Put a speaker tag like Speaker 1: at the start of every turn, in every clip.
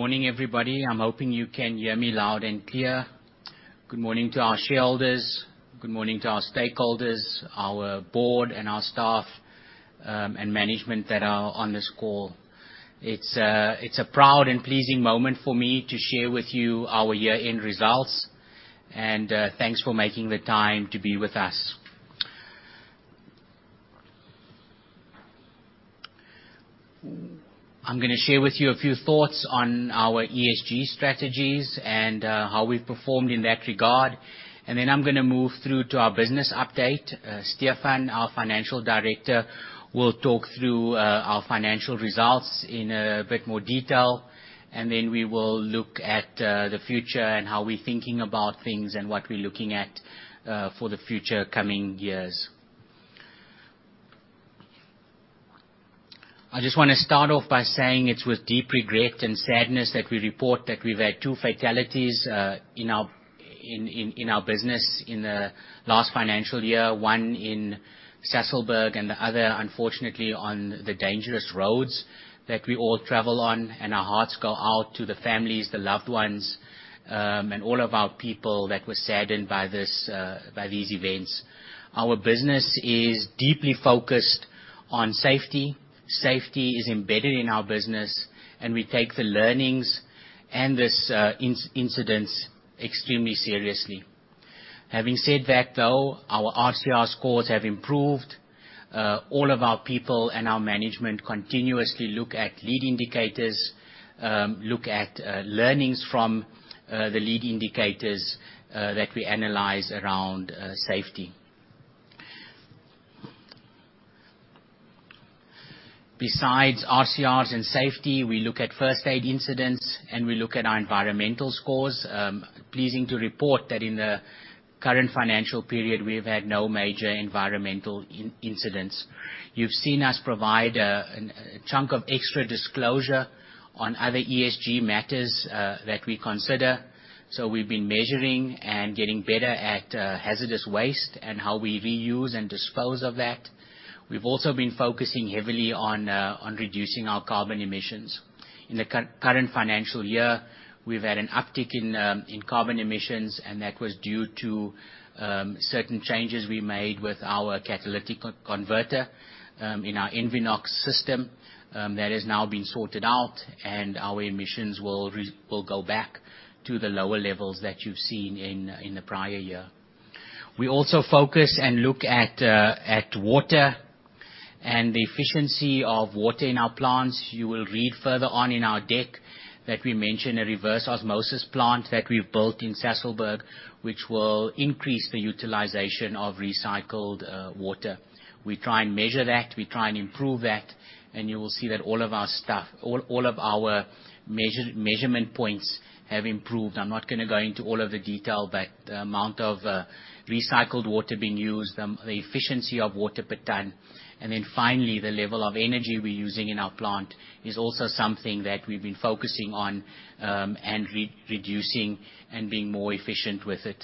Speaker 1: Good morning, everybody. I'm hoping you can hear me loud and clear. Good morning to our shareholders. Good morning to our stakeholders, our board and our staff, and management that are on this call. It's a proud and pleasing moment for me to share with you our year-end results. Thanks for making the time to be with us. I'm gonna share with you a few thoughts on our ESG strategies and how we've performed in that regard. Then I'm gonna move through to our business update. Stephan, our financial director, will talk through our financial results in a bit more detail. Then we will look at the future and how we're thinking about things and what we're looking at for the future coming years. I just wanna start off by saying it's with deep regret and sadness that we report that we've had two fatalities in our business in the last financial year. One in Sasolburg and the other, unfortunately, on the dangerous roads that we all travel on. Our hearts go out to the families, the loved ones, and all of our people that were saddened by these events. Our business is deeply focused on safety. Safety is embedded in our business, and we take the learnings and this incidents extremely seriously. Having said that, though, our RCR scores have improved. All of our people and our management continuously look at lead indicators, look at learnings from the lead indicators that we analyze around safety. Besides RCRs and safety, we look at first aid incidents, and we look at our environmental scores. Pleasing to report that in the current financial period we have had no major environmental incidents. You've seen us provide a chunk of extra disclosure on other ESG matters that we consider. We've been measuring and getting better at hazardous waste and how we reuse and dispose of that. We've also been focusing heavily on reducing our carbon emissions. In the current financial year, we've had an uptick in carbon emissions, and that was due to certain changes we made with our catalytic converter in our EnviNOx system. That has now been sorted out, and our emissions will go back to the lower levels that you've seen in the prior year. We also focus and look at water and the efficiency of water in our plants. You will read further on in our deck that we mention a reverse osmosis plant that we've built in Sasolburg, which will increase the utilization of recycled water. We try and measure that. We try and improve that. You will see that all of our stuff, all of our measurement points have improved. I'm not gonna go into all of the detail, but the amount of recycled water being used, the efficiency of water per ton. Then finally, the level of energy we're using in our plant is also something that we've been focusing on, and reducing and being more efficient with it.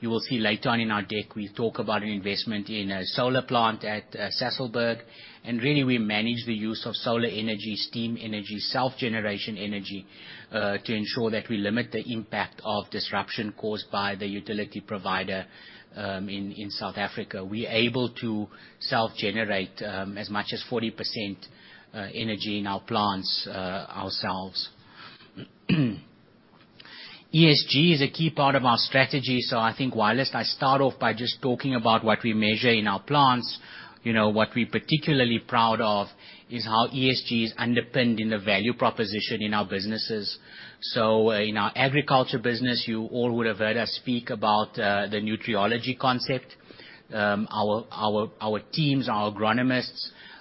Speaker 1: You will see later on in our deck, we talk about an investment in a solar plant at Sasolburg. Really we manage the use of solar energy, steam energy, self-generation energy, to ensure that we limit the impact of disruption caused by the utility provider, in South Africa. We're able to self-generate, as much as 40% energy in our plants, ourselves. ESG is a key part of our strategy, so I think whilst I start off by just talking about what we measure in our plants, you know, what we're particularly proud of is how ESG is underpinned in the value proposition in our businesses. In our agriculture business, you all would have heard us speak about the Nutriology concept. Our teams, our agronomists,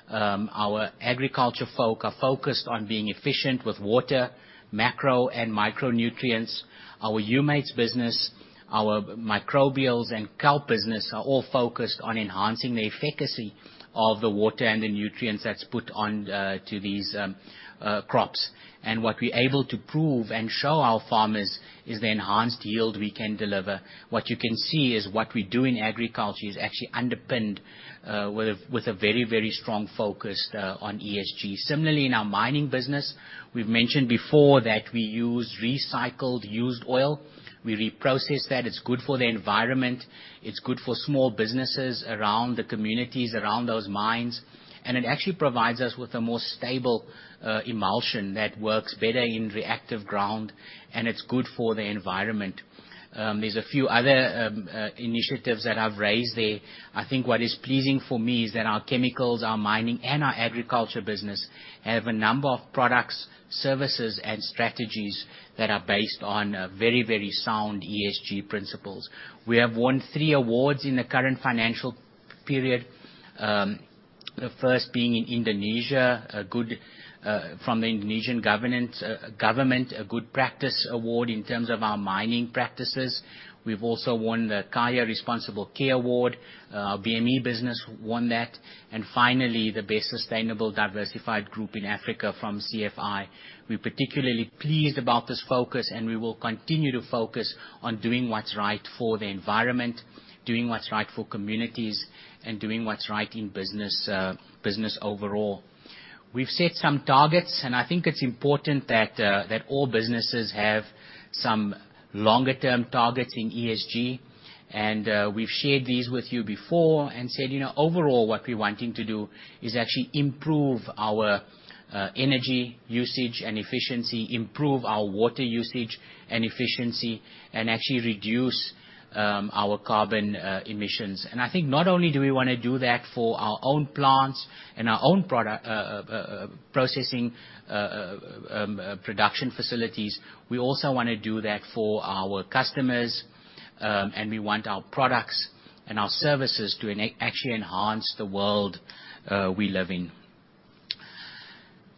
Speaker 1: our agriculture folk are focused on being efficient with water, macro and micronutrients. Our Humates business, our microbials and Kelp business are all focused on enhancing the efficacy of the water and the nutrients that's put on to these crops. What we're able to prove and show our farmers is the enhanced yield we can deliver. What you can see is what we do in agriculture is actually underpinned with a very, very strong focus on ESG. Similarly, in our mining business, we've mentioned before that we use recycled used oil. We reprocess that. It's good for the environment. It's good for small businesses around the communities, around those mines. It actually provides us with a more stable emulsion that works better in reactive ground, and it's good for the environment. There's a few other initiatives that I've raised there. I think what is pleasing for me is that our chemicals, our mining, and our agriculture business have a number of products, services, and strategies that are based on very, very sound ESG principles. We have won three awards in the current financial period. The first being in Indonesia, a good practice award from the Indonesian government in terms of our mining practices. We've also won the CAIA Responsible Care Award. Our BME business won that. Finally, the Best Sustainable Diversified Group in Africa from CFI. We're particularly pleased about this focus, and we will continue to focus on doing what's right for the environment, doing what's right for communities, and doing what's right in business overall. We've set some targets, and I think it's important that all businesses have some longer-term targets in ESG. We've shared these with you before and said, you know, overall what we're wanting to do is actually improve our energy usage and efficiency, improve our water usage and efficiency, and actually reduce our carbon emissions. I think not only do we wanna do that for our own plants and our own product processing production facilities, we also wanna do that for our customers, and we want our products and our services to actually enhance the world we live in.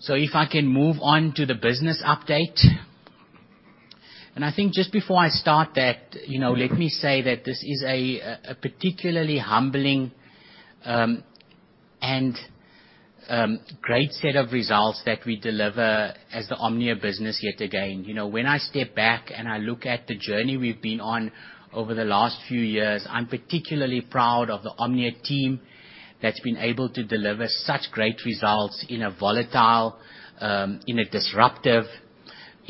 Speaker 1: If I can move on to the business update. I think just before I start that, you know, let me say that this is a particularly humbling and great set of results that we deliver as the Omnia business yet again. You know, when I step back and I look at the journey we've been on over the last few years, I'm particularly proud of the Omnia team that's been able to deliver such great results in a volatile, in a disruptive,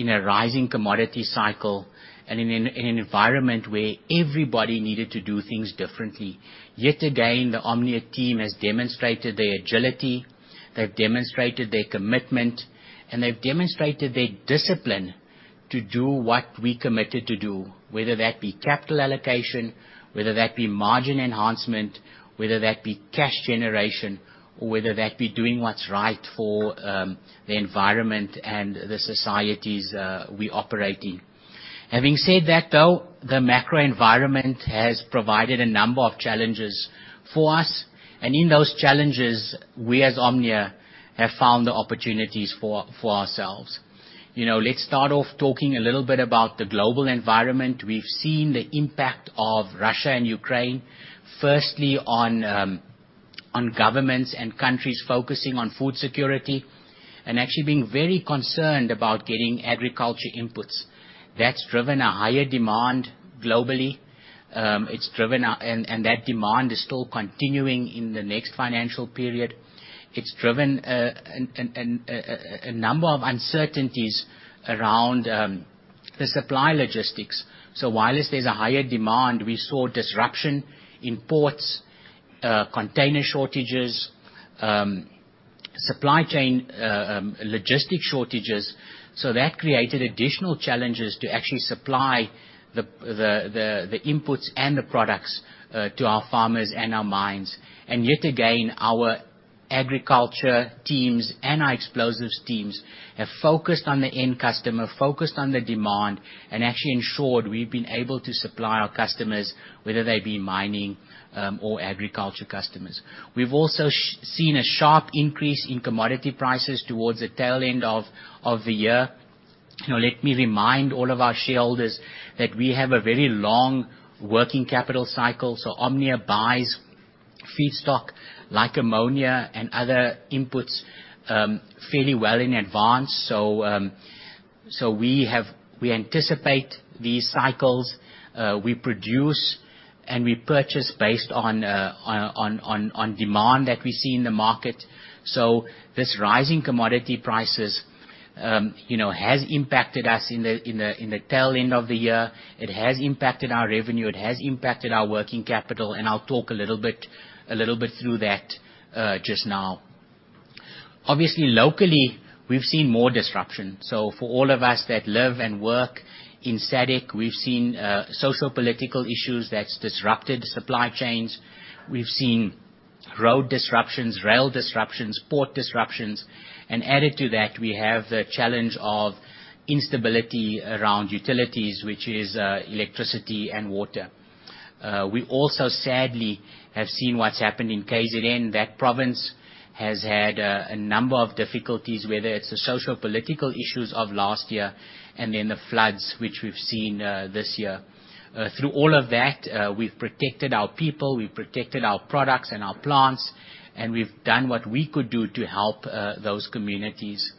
Speaker 1: in a rising commodity cycle, and in an environment where everybody needed to do things differently. Yet again, the Omnia team has demonstrated their agility, they've demonstrated their commitment, and they've demonstrated their discipline to do what we committed to do, whether that be capital allocation, whether that be margin enhancement, whether that be cash generation, or whether that be doing what's right for the environment and the societies we operate in. Having said that, though, the macro environment has provided a number of challenges for us, and in those challenges, we, as Omnia, have found the opportunities for ourselves. You know, let's start off talking a little bit about the global environment. We've seen the impact of Russia and Ukraine, firstly on governments and countries focusing on food security and actually being very concerned about getting agricultural inputs. That's driven a higher demand globally. That demand is still continuing in the next financial period. It's driven a number of uncertainties around the supply logistics. While there's a higher demand, we saw disruption in ports, container shortages, supply chain logistic shortages. That created additional challenges to actually supply the inputs and the products to our farmers and our mines. Yet again, our agriculture teams and our explosives teams have focused on the end customer, focused on the demand, and actually ensured we've been able to supply our customers, whether they be mining or agriculture customers. We've also seen a sharp increase in commodity prices towards the tail end of the year. You know, let me remind all of our shareholders that we have a very long working capital cycle. Omnia buys feedstock like ammonia and other inputs fairly well in advance. We anticipate these cycles. We produce and we purchase based on demand that we see in the market. This rising commodity prices, you know, has impacted us in the tail end of the year. It has impacted our revenue. It has impacted our working capital, and I'll talk a little bit through that just now. Obviously, locally, we've seen more disruption. For all of us that live and work in SADC, we've seen sociopolitical issues that's disrupted supply chains. We've seen road disruptions, rail disruptions, port disruptions, and added to that, we have the challenge of instability around utilities, which is electricity and water. We also sadly have seen what's happened in KZN. That province has had a number of difficulties, whether it's the sociopolitical issues of last year and then the floods which we've seen this year. Through all of that, we've protected our people, we've protected our products and our plants, and we've done what we could do to help those communities.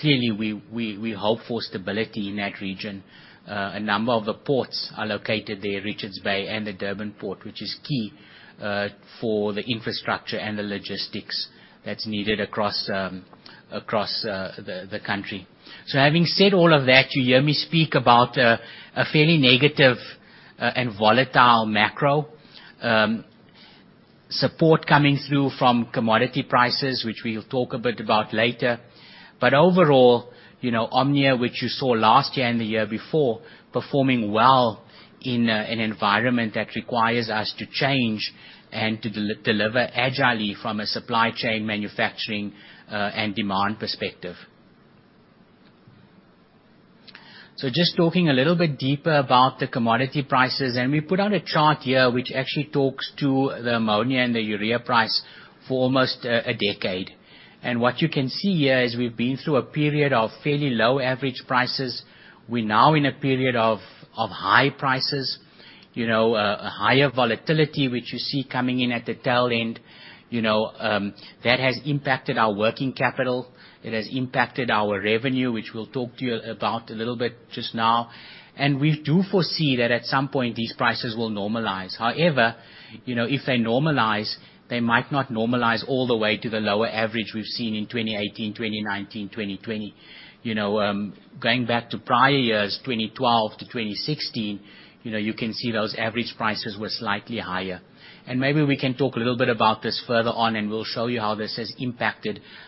Speaker 1: Clearly, we hope for stability in that region. A number of the ports are located there, Richards Bay and the Durban Port, which is key for the infrastructure and the logistics that's needed across the country. Having said all of that, you hear me speak about a fairly negative and volatile macro support coming through from commodity prices, which we'll talk a bit about later. Overall, you know, Omnia, which you saw last year and the year before, performing well in an environment that requires us to change and to deliver agilely from a supply chain manufacturing and demand perspective. Just talking a little bit deeper about the commodity prices, and we put out a chart here which actually talks to the ammonia and the urea price for almost a decade. What you can see here is we've been through a period of fairly low average prices. We're now in a period of high prices, you know, a higher volatility, which you see coming in at the tail end. You know, that has impacted our working capital. It has impacted our revenue, which we'll talk to you about a little bit just now. We do foresee that at some point these prices will normalize. However, you know, if they normalize, they might not normalize all the way to the lower average we've seen in 2018, 2019, 2020. You know, going back to prior years, 2012 to 2016, you know, you can see those average prices were slightly higher. Maybe we can talk a little bit about this further on, and we'll show you how this has impacted our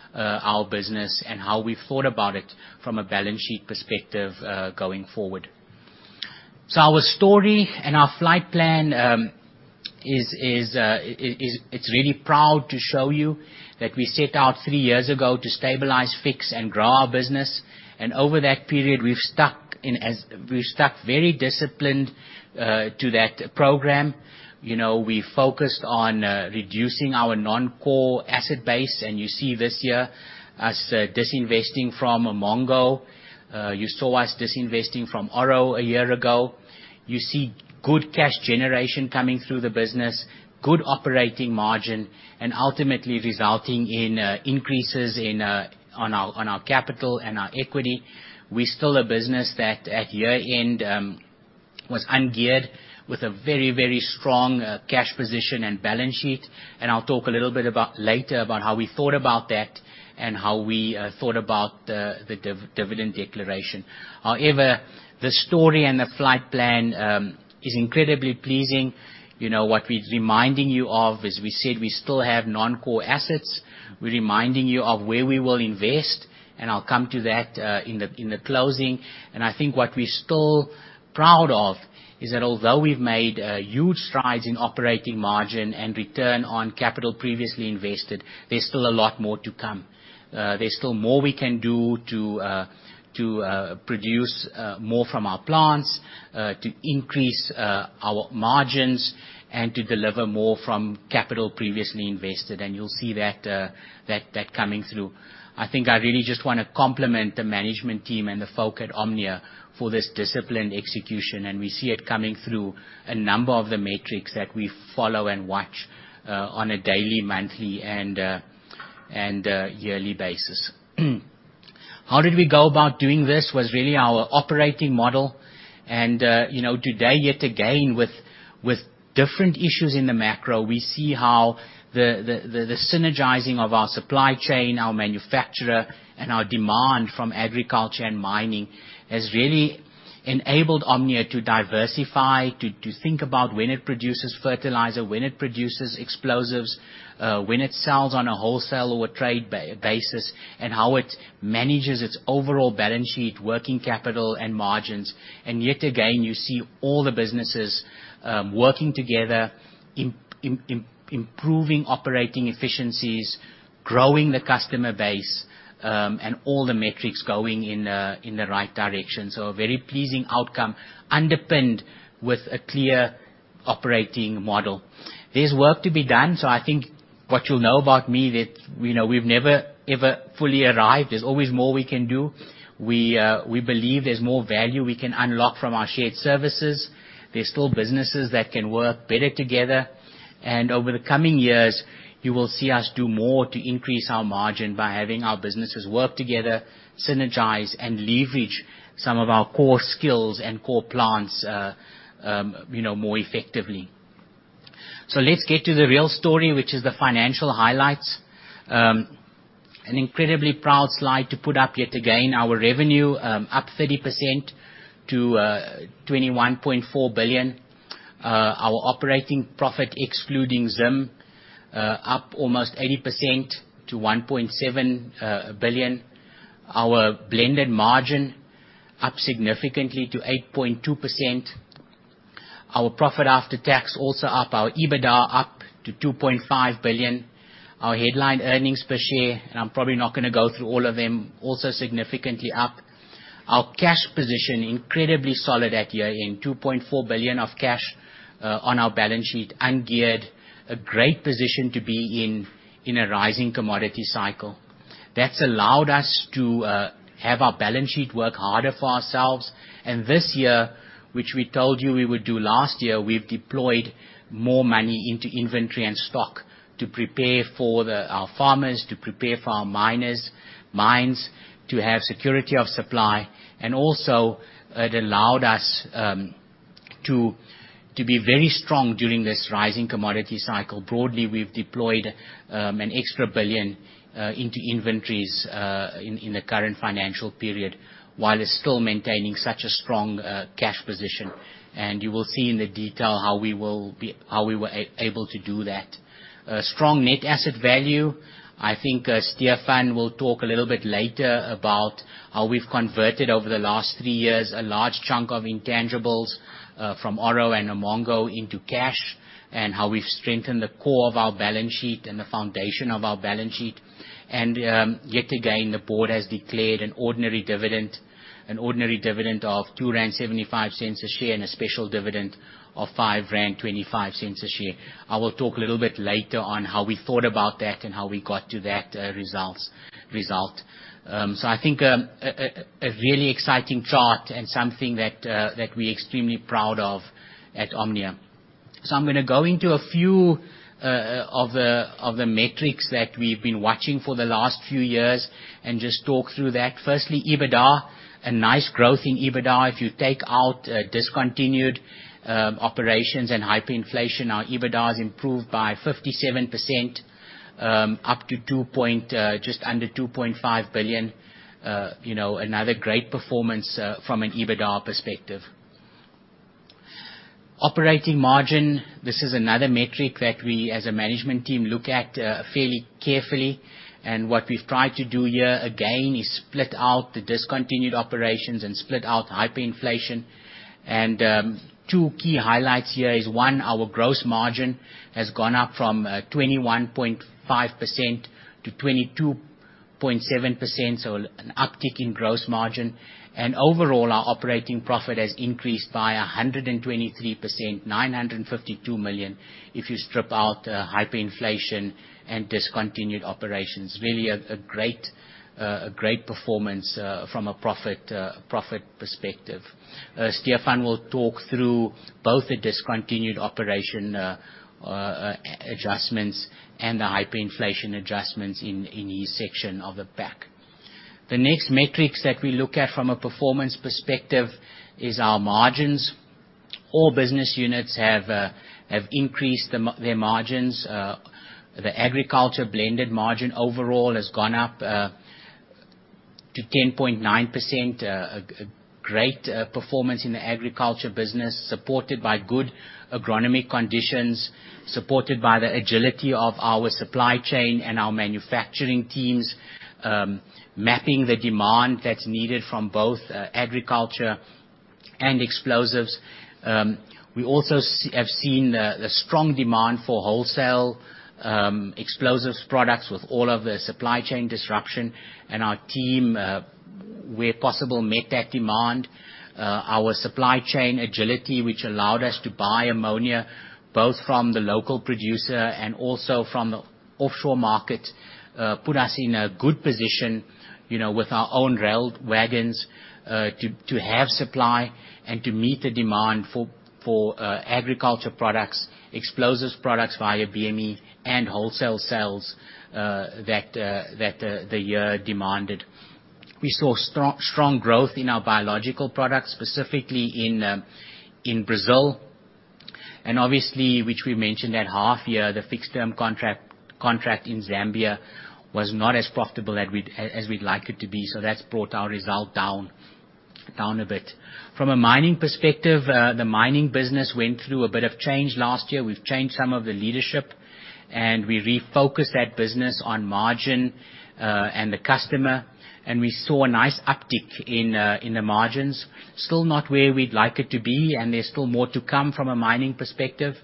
Speaker 1: business and how we've thought about it from a balance sheet perspective, going forward. Our story and our flight plan. We're really proud to show you that we set out three years ago to stabilize, fix and grow our business. Over that period, we've stuck very disciplined to that program. You know, we focused on reducing our non-core asset base, and you see this year us disinvesting from Umongo. You saw us disinvesting from Oro Agri a year ago. You see good cash generation coming through the business, good operating margin and ultimately resulting in increases in our capital and our equity. We're still a business that at year-end was ungeared with a very, very strong cash position and balance sheet. I'll talk a little bit later about how we thought about that and how we thought about the dividend declaration. However, the story and the flight plan is incredibly pleasing. You know, what we're reminding you of, as we said, we still have non-core assets. We're reminding you of where we will invest, and I'll come to that in the closing. I think what we're still proud of is that although we've made huge strides in operating margin and return on capital previously invested, there's still a lot more to come. There's still more we can do to produce more from our plants, to increase our margins and to deliver more from capital previously invested. You'll see that coming through. I think I really just wanna compliment the management team and the folk at Omnia for this disciplined execution. We see it coming through a number of the metrics that we follow and watch on a daily, monthly and yearly basis. How did we go about doing this was really our operating model. You know, today, yet again, with different issues in the macro, we see how the synergizing of our supply chain, our manufacturing and our demand from agriculture and mining has really enabled Omnia to diversify, to think about when it produces fertilizer, when it produces explosives, when it sells on a wholesale or a trade basis, and how it manages its overall balance sheet, working capital and margins. Yet again, you see all the businesses working together, improving operating efficiencies, growing the customer base, and all the metrics going in the right direction. A very pleasing outcome underpinned with a clear operating model. There's work to be done. I think what you'll know about me that, you know, we've never, ever fully arrived. There's always more we can do. We believe there's more value we can unlock from our shared services. There's still businesses that can work better together. Over the coming years, you will see us do more to increase our margin by having our businesses work together, synergize and leverage some of our core skills and core plants, you know, more effectively. Let's get to the real story, which is the financial highlights. An incredibly proud slide to put up yet again, our revenue up 30% to 21.4 billion. Our operating profit excluding ZIM up almost 80% to 1.7 billion. Our blended margin up significantly to 8.2%. Our profit after tax also up. Our EBITDA up to 2.5 billion. Our headline earnings per share, and I'm probably not gonna go through all of them, also significantly up. Our cash position incredibly solid at year-end, 2.4 billion of cash on our balance sheet, ungeared. A great position to be in a rising commodity cycle. That's allowed us to have our balance sheet work harder for ourselves. This year, which we told you we would do last year, we've deployed more money into inventory and stock to prepare for our farmers, to prepare for our mines, to have security of supply. Also, it allowed us to be very strong during this rising commodity cycle. Broadly, we've deployed an extra 1 billion into inventories in the current financial period, while it's still maintaining such a strong cash position. You will see in the detail how we were able to do that. Strong net asset value. I think Stephan will talk a little bit later about how we've converted over the last three years a large chunk of intangibles from Oro Agri and Umongo into cash, and how we've strengthened the core of our balance sheet and the foundation of our balance sheet. Yet again, the board has declared an ordinary dividend of 2.75 rand a share and a special dividend of 5.25 rand a share. I will talk a little bit later on how we thought about that and how we got to that result. I think a really exciting chart and something that we're extremely proud of at Omnia. I'm gonna go into a few of the metrics that we've been watching for the last few years and just talk through that. Firstly, EBITDA, a nice growth in EBITDA. If you take out discontinued operations and hyperinflation, our EBITDA has improved by 57%, up to just under 2.5 billion. You know, another great performance from an EBITDA perspective. Operating margin, this is another metric that we as a management team look at fairly carefully. What we've tried to do here again is split out the discontinued operations and split out hyperinflation. Two key highlights here is, one, our gross margin has gone up from 21.5% to 22.7%, so an uptick in gross margin. Overall, our operating profit has increased by 123%, 952 million, if you strip out hyperinflation and discontinued operations. Really a great performance from a profit perspective. Stephan will talk through both the discontinued operation adjustments and the hyperinflation adjustments in his section of the pack. The next metrics that we look at from a performance perspective is our margins. All business units have increased their margins. The agriculture blended margin overall has gone up to 10.9%. A great performance in the agriculture business, supported by good agronomic conditions, supported by the agility of our supply chain and our manufacturing teams, mapping the demand that's needed from both agriculture and explosives. We also have seen the strong demand for wholesale explosives products with all of the supply chain disruption. Our team, where possible, met that demand. Our supply chain agility, which allowed us to buy ammonia both from the local producer and also from the offshore market, put us in a good position, you know, with our own rail wagons, to have supply and to meet the demand for agriculture products, explosives products via BME and wholesale sales, that the year demanded. We saw strong growth in our biological products, specifically in Brazil. Obviously, which we mentioned at half year, the fixed term contract in Zambia was not as profitable as we'd like it to be. That's brought our result down a bit. From a mining perspective, the mining business went through a bit of change last year. We've changed some of the leadership, and we refocused that business on margin, and the customer. We saw a nice uptick in the margins. Still not where we'd like it to be, and there's still more to come from a mining perspective.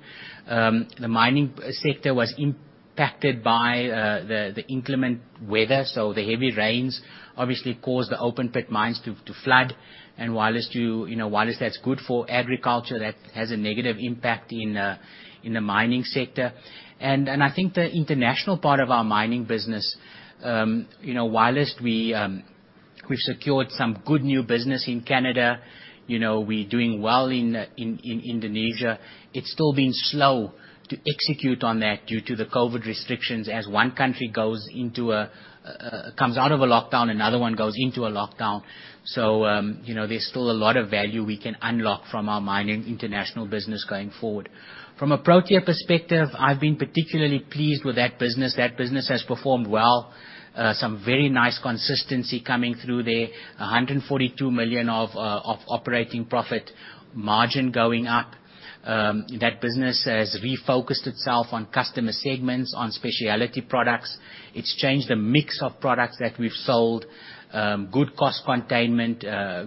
Speaker 1: The mining sector was impacted by the inclement weather. The heavy rains obviously caused the open pit mines to flood. Whilst that's good for agriculture, you know, that has a negative impact in the mining sector. I think the international part of our mining business, you know, while we've secured some good new business in Canada, you know, we're doing well in Indonesia, it's still been slow to execute on that due to the COVID restrictions. As one country comes out of a lockdown, another one goes into a lockdown. You know, there's still a lot of value we can unlock from our mining international business going forward. From a Protea perspective, I've been particularly pleased with that business. That business has performed well. Some very nice consistency coming through there. 142 million of operating profit, margin going up. That business has refocused itself on customer segments, on specialty products. It's changed the mix of products that we've sold. Good cost containment,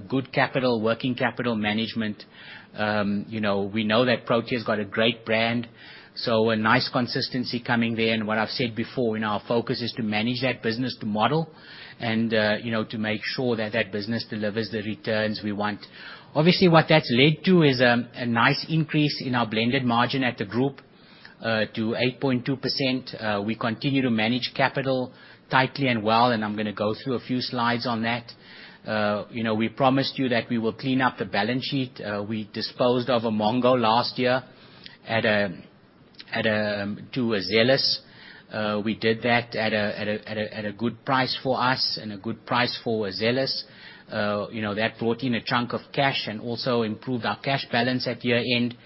Speaker 1: good capital, working capital management. You know, we know that Protea's got a great brand, so a nice consistency coming there. What I've said before, and our focus is to manage that business to model, you know, to make sure that that business delivers the returns we want. Obviously, what that's led to is a nice increase in our blended margin at the group to 8.2%. We continue to manage capital tightly and well, and I'm gonna go through a few slides on that. You know, we promised you that we will clean up the balance sheet. We disposed of Umongo last year to Azelis. We did that at a good price for us and a good price for Azelis. You know, that brought in a chunk of cash and also improved our cash balance at year-end.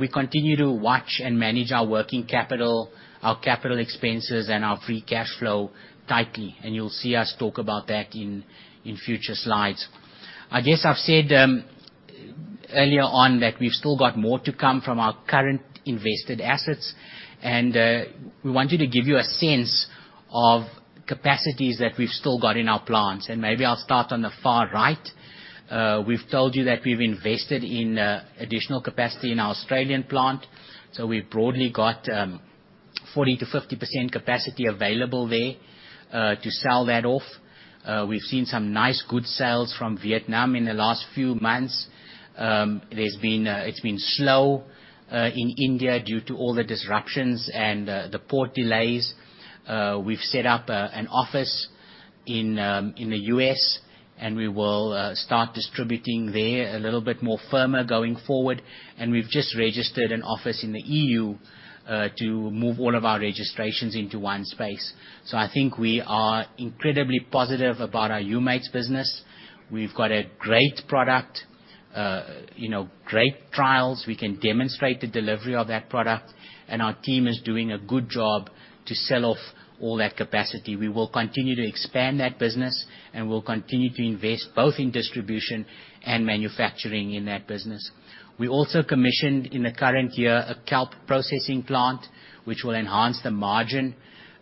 Speaker 1: We continue to watch and manage our working capital, our capital expenses, and our free cash flow tightly, and you'll see us talk about that in future slides. I guess I've said earlier on that we've still got more to come from our current invested assets. We wanted to give you a sense of capacities that we've still got in our plants, and maybe I'll start on the far right. We've told you that we've invested in additional capacity in our Australian plant, so we've broadly got 40%-50% capacity available there to sell that off. We've seen some nice good sales from Vietnam in the last few months. There's been, It's been slow in India due to all the disruptions and the port delays. We've set up an office in the US, and we will start distributing there a little bit more firmer going forward. We've just registered an office in the EU to move all of our registrations into one space. I think we are incredibly positive about our Humates business. We've got a great product, you know, great trials. We can demonstrate the delivery of that product, and our team is doing a good job to sell off all that capacity. We will continue to expand that business, and we'll continue to invest both in distribution and manufacturing in that business. We also commissioned in the current year a kelp processing plant, which will enhance the margin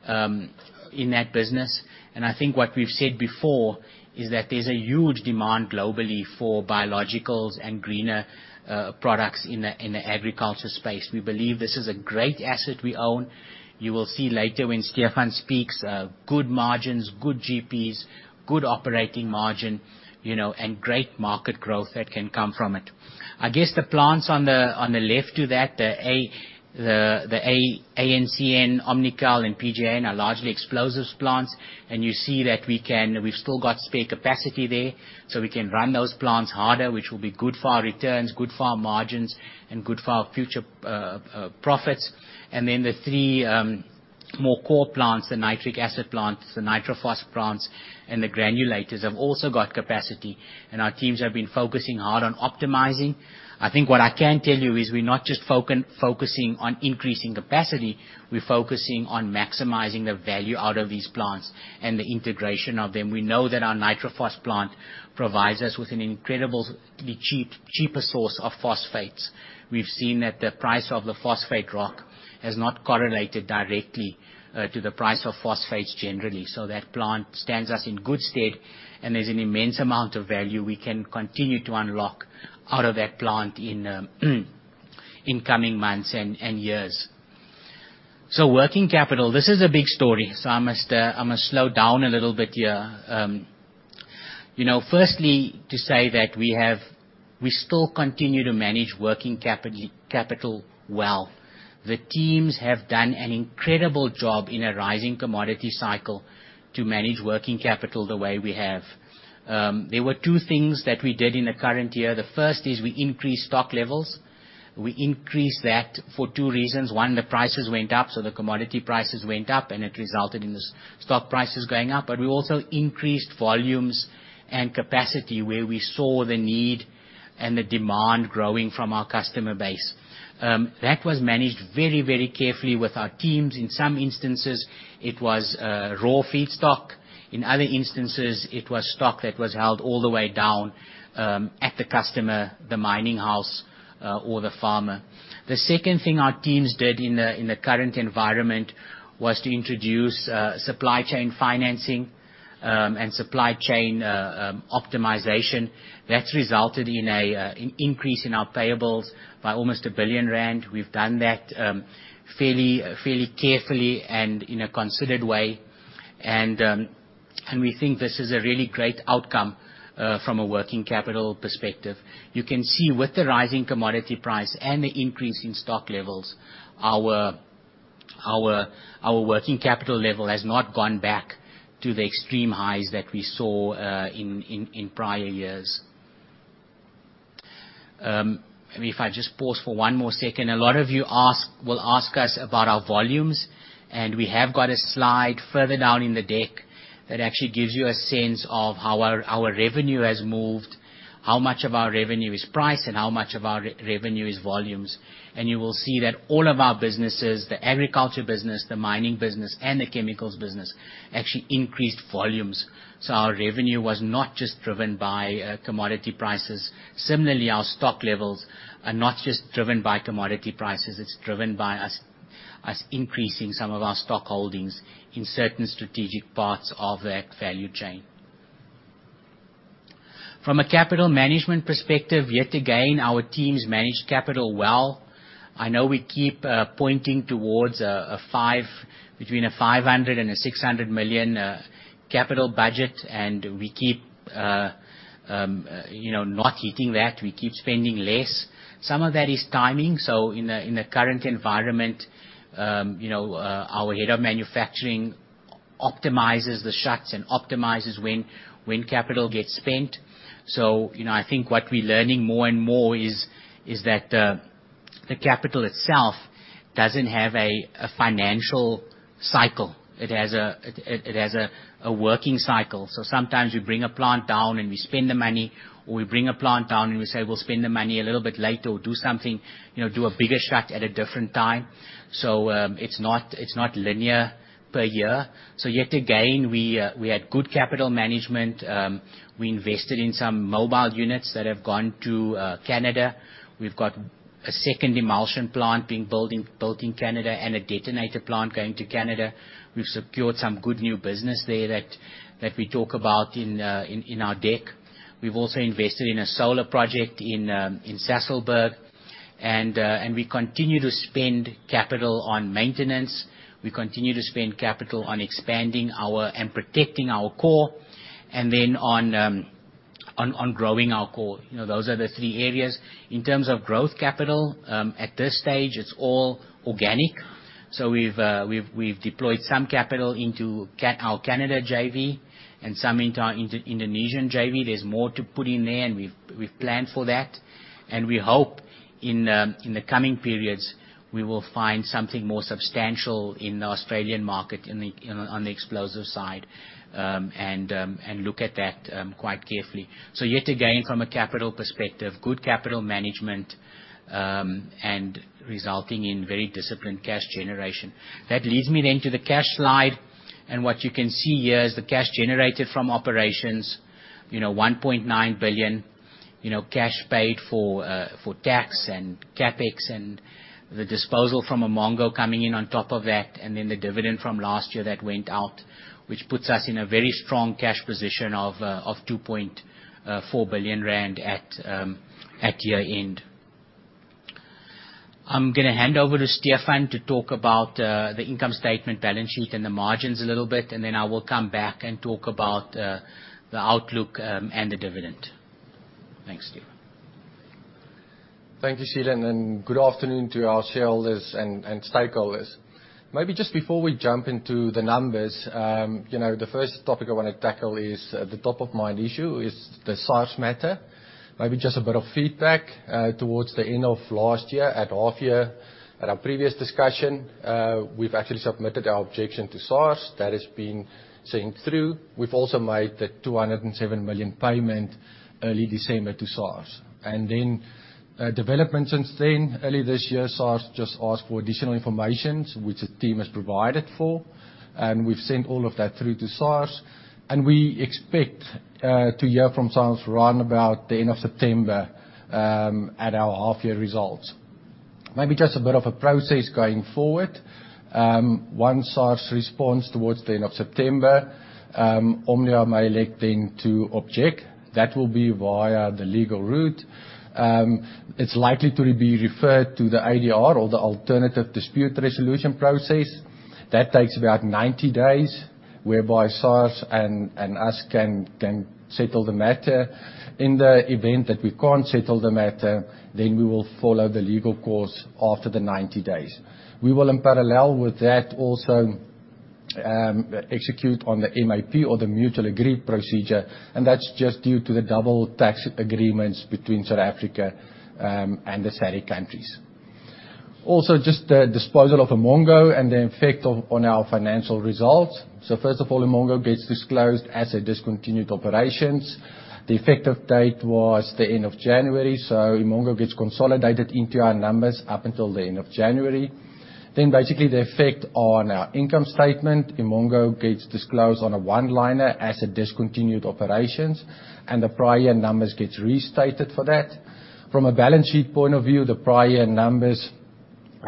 Speaker 1: in that business, and I think what we've said before is that there's a huge demand globally for biologicals and greener products in the agriculture space. We believe this is a great asset we own. You will see later when Stefan speaks good margins, good GPs, good operating margin, you know, and great market growth that can come from it. I guess the plants on the left to that, the AAN, Omnikol, and PJN are largely explosives plants. You see that we can, we've still got spare capacity there, so we can run those plants harder, which will be good for our returns, good for our margins, and good for our future profits. The three more core plants, the nitric acid plants, the NitroPhos plants, and the granulators have also got capacity, and our teams have been focusing hard on optimizing. I think what I can tell you is we're not just focusing on increasing capacity, we're focusing on maximizing the value out of these plants and the integration of them. We know that our NitroPhos plant provides us with an incredibly cheaper source of phosphates. We've seen that the price of the phosphate rock has not correlated directly to the price of phosphates generally. That plant stands us in good stead, and there's an immense amount of value we can continue to unlock out of that plant in coming months and years. Working capital, this is a big story, I must slow down a little bit here, you know, firstly to say that we have we still continue to manage working capital well. The teams have done an incredible job in a rising commodity cycle to manage working capital the way we have. There were two things that we did in the current year. The first is we increased stock levels. We increased that for two reasons. One, the prices went up, so the commodity prices went up, and it resulted in the stock prices going up. We also increased volumes and capacity where we saw the need and the demand growing from our customer base. That was managed very, very carefully with our teams. In some instances, it was raw feedstock. In other instances, it was stock that was held all the way down at the customer, the mining house, or the farmer. The second thing our teams did in the current environment was to introduce supply chain financing and supply chain optimization. That's resulted in an increase in our payables by almost 1 billion rand. We've done that fairly carefully and in a considered way. We think this is a really great outcome from a working capital perspective. You can see with the rising commodity price and the increase in stock levels, our working capital level has not gone back to the extreme highs that we saw in prior years. If I just pause for one more second, a lot of you will ask us about our volumes, and we have got a slide further down in the deck that actually gives you a sense of how our revenue has moved, how much of our revenue is price, and how much of our revenue is volumes. You will see that all of our businesses, the agriculture business, the mining business, and the chemicals business, actually increased volumes. Our revenue was not just driven by commodity prices. Similarly, our stock levels are not just driven by commodity prices. It's driven by us increasing some of our stock holdings in certain strategic parts of that value chain. From a capital management perspective, yet again, our teams managed capital well. I know we keep pointing towards between 500 million and 600 million capital budget, and we keep you know not hitting that. We keep spending less. Some of that is timing. In the current environment, you know, our head of manufacturing optimizes the shutdowns and optimizes when capital gets spent. You know, I think what we're learning more and more is that the capital itself doesn't have a financial cycle. It has a working cycle. Sometimes we bring a plant down and we spend the money, or we bring a plant down and we say, "We'll spend the money a little bit later or do something, you know, do a bigger shut at a different time." It's not linear per year. Yet again, we had good capital management. We invested in some mobile units that have gone to Canada. We've got a second emulsion plant being built in Canada and a detonator plant going to Canada. We've secured some good new business there that we talk about in our deck. We've also invested in a solar project in Sasolburg. We continue to spend capital on maintenance. We continue to spend capital on expanding our and protecting our core and then on growing our core. You know, those are the three areas. In terms of growth capital, at this stage it's all organic. We've deployed some capital into our Canada JV and some into our Indonesian JV. There's more to put in there, and we've planned for that. We hope in the coming periods we will find something more substantial in the Australian market on the explosives side and look at that quite carefully. Yet again, from a capital perspective, good capital management and resulting in very disciplined cash generation. That leads me then to the cash slide, and what you can see here is the cash generated from operations, you know, 1.9 billion. You know, cash paid for tax and CapEx and the disposal from Umongo coming in on top of that, and then the dividend from last year that went out, which puts us in a very strong cash position of 2.4 billion rand at year-end. I'm gonna hand over to Stephan to talk about the income statement, balance sheet and the margins a little bit, and then I will come back and talk about the outlook and the dividend. Thanks, Stephan.
Speaker 2: Thank you, Seelan, and good afternoon to our shareholders and stakeholders. Maybe just before we jump into the numbers, you know, the first topic I wanna tackle is the top of mind issue is the SARS matter. Maybe just a bit of feedback towards the end of last year at half year, at our previous discussion, we've actually submitted our objection to SARS. That has been seen through. We've also made the 207 million payment early December to SARS. Developments since then, early this year, SARS just asked for additional information, which the team has provided, and we've sent all of that through to SARS, and we expect to hear from SARS right about the end of September at our half year results. Maybe just a bit of a process going forward. Once SARS responds towards the end of September, Omnia may elect then to object. That will be via the legal route. It's likely to be referred to the ADR or the Alternative Dispute Resolution process. That takes about 90 days, whereby SARS and us can settle the matter. In the event that we can't settle the matter, then we will follow the legal course after the 90 days. We will in parallel with that also execute on the MAP or the Mutual Agreement Procedure, and that's just due to the double tax agreements between South Africa and the SADC countries. Also, just the disposal of Umongo and the effect on our financial results. First of all, Umongo gets disclosed as a discontinued operations. The effective date was the end of January, so Umongo gets consolidated into our numbers up until the end of January. Basically, the effect on our income statement, Umongo gets disclosed on a one-liner as a discontinued operations, and the prior numbers gets restated for that. From a balance sheet point of view, the prior numbers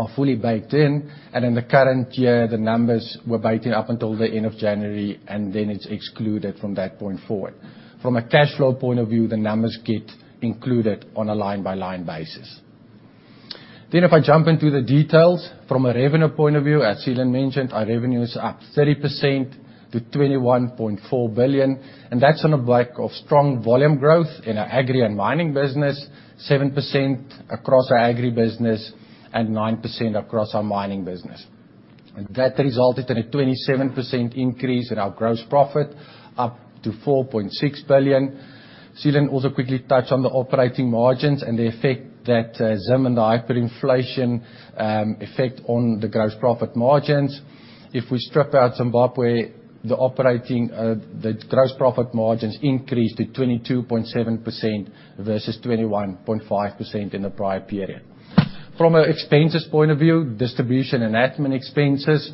Speaker 2: are fully baked in, and in the current year, the numbers were taken up until the end of January, and then it's excluded from that point forward. From a cash flow point of view, the numbers get included on a line-by-line basis. If I jump into the details, from a revenue point of view, as Seelan mentioned, our revenue is up 30% to 21.4 billion, and that's on the back of strong volume growth in our agri and mining business, 7% across our agri business and 9% across our mining business. That resulted in a 27% increase in our gross profit, up to 4.6 billion. Seelan also quickly touched on the operating margins and the effect that Zim and the hyperinflation affect on the gross profit margins. If we strip out Zimbabwe, the gross profit margins increased to 22.7% versus 21.5% in the prior period. From an expenses point of view, distribution and admin expenses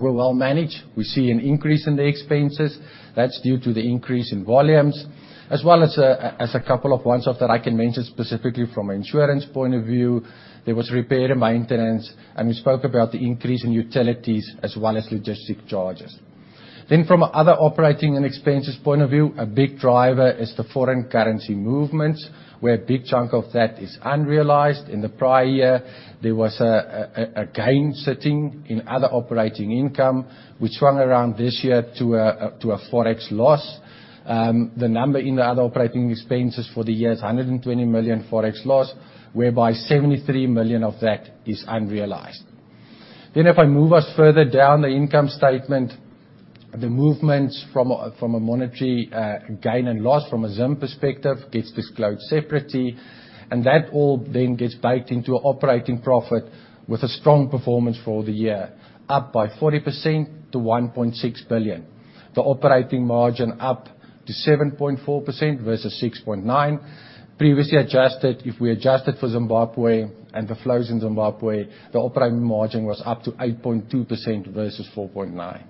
Speaker 2: were well managed. We see an increase in the expenses. That's due to the increase in volumes, as well as a couple of one-offs that I can mention specifically from an insurance point of view. There was repair and maintenance, and we spoke about the increase in utilities as well as logistic charges. From other operating expenses point of view, a big driver is the foreign currency movements, where a big chunk of that is unrealized. In the prior year, there was a gain sitting in other operating income, which swung around this year to a Forex loss. The number in the other operating expenses for the year is 120 million Forex loss, whereby 73 million of that is unrealized. If I move us further down the income statement, the movements from a monetary gain and loss from a Zim perspective gets disclosed separately, and that all then gets baked into operating profit with a strong performance for the year, up by 40% to 1.6 billion. The operating margin up to 7.4% versus 6.9%. Previously adjusted, if we adjusted for Zimbabwe and the flows in Zimbabwe, the operating margin was up to 8.2% versus 4.9%.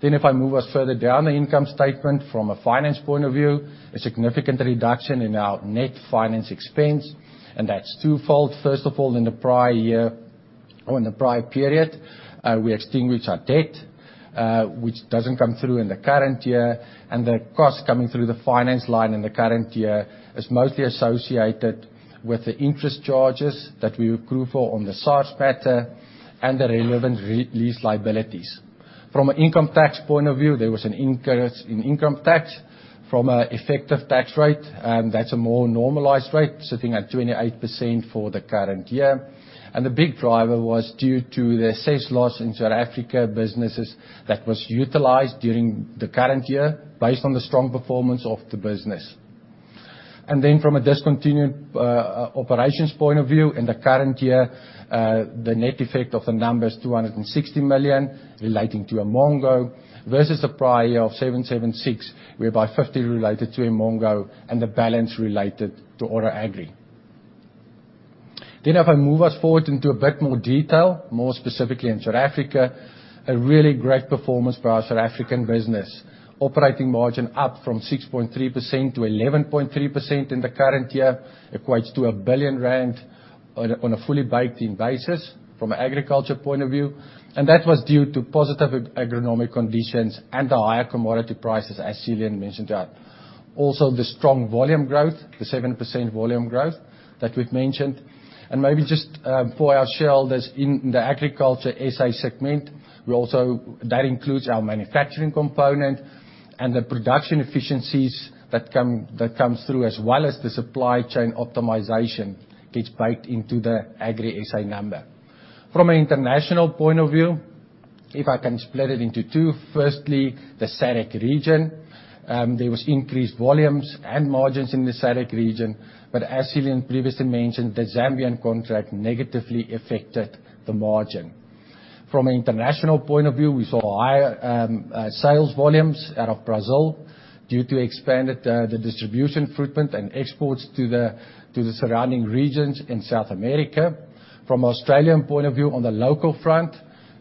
Speaker 2: If I move us further down the income statement from a finance point of view, a significant reduction in our net finance expense, and that's twofold. First of all, in the prior year or in the prior period, we extinguished our debt, which doesn't come through in the current year, and the cost coming through the finance line in the current year is mostly associated with the interest charges that we accrue for on the SARS matter and the relevant lease liabilities. From an income tax point of view, there was an increase in income tax. From an effective tax rate, that's a more normalized rate, sitting at 28% for the current year. The big driver was due to the tax loss in South African businesses that was utilized during the current year based on the strong performance of the business. From a discontinued operations point of view, in the current year, the net effect of the number is 260 million relating to Umongo, versus the prior year of 776 million, whereby 50 million related to Umongo and the balance related to Oro Agri. If I move us forward into a bit more detail, more specifically in South Africa, a really great performance by our South African business. Operating margin up from 6.3% to 11.3% in the current year, equates to 1 billion rand on a fully baked-in basis from a agriculture point of view, and that was due to positive agronomic conditions and the higher commodity prices, as Seelan mentioned that. Also, the strong volume growth, the 7% volume growth that we've mentioned, and maybe just for our shareholders in the Agriculture SA segment, we also that includes our manufacturing component and the production efficiencies that comes through, as well as the supply chain optimization gets baked into the Agri SA number. From an international point of view, if I can split it into two. Firstly, the SADC region. There was increased volumes and margins in the SADC region, but as Seelan previously mentioned, the Zambian contract negatively affected the margin. From an international point of view, we saw higher sales volumes out of Brazil due to expanded the distribution footprint and exports to the surrounding regions in South America. From Australian point of view, on the local front,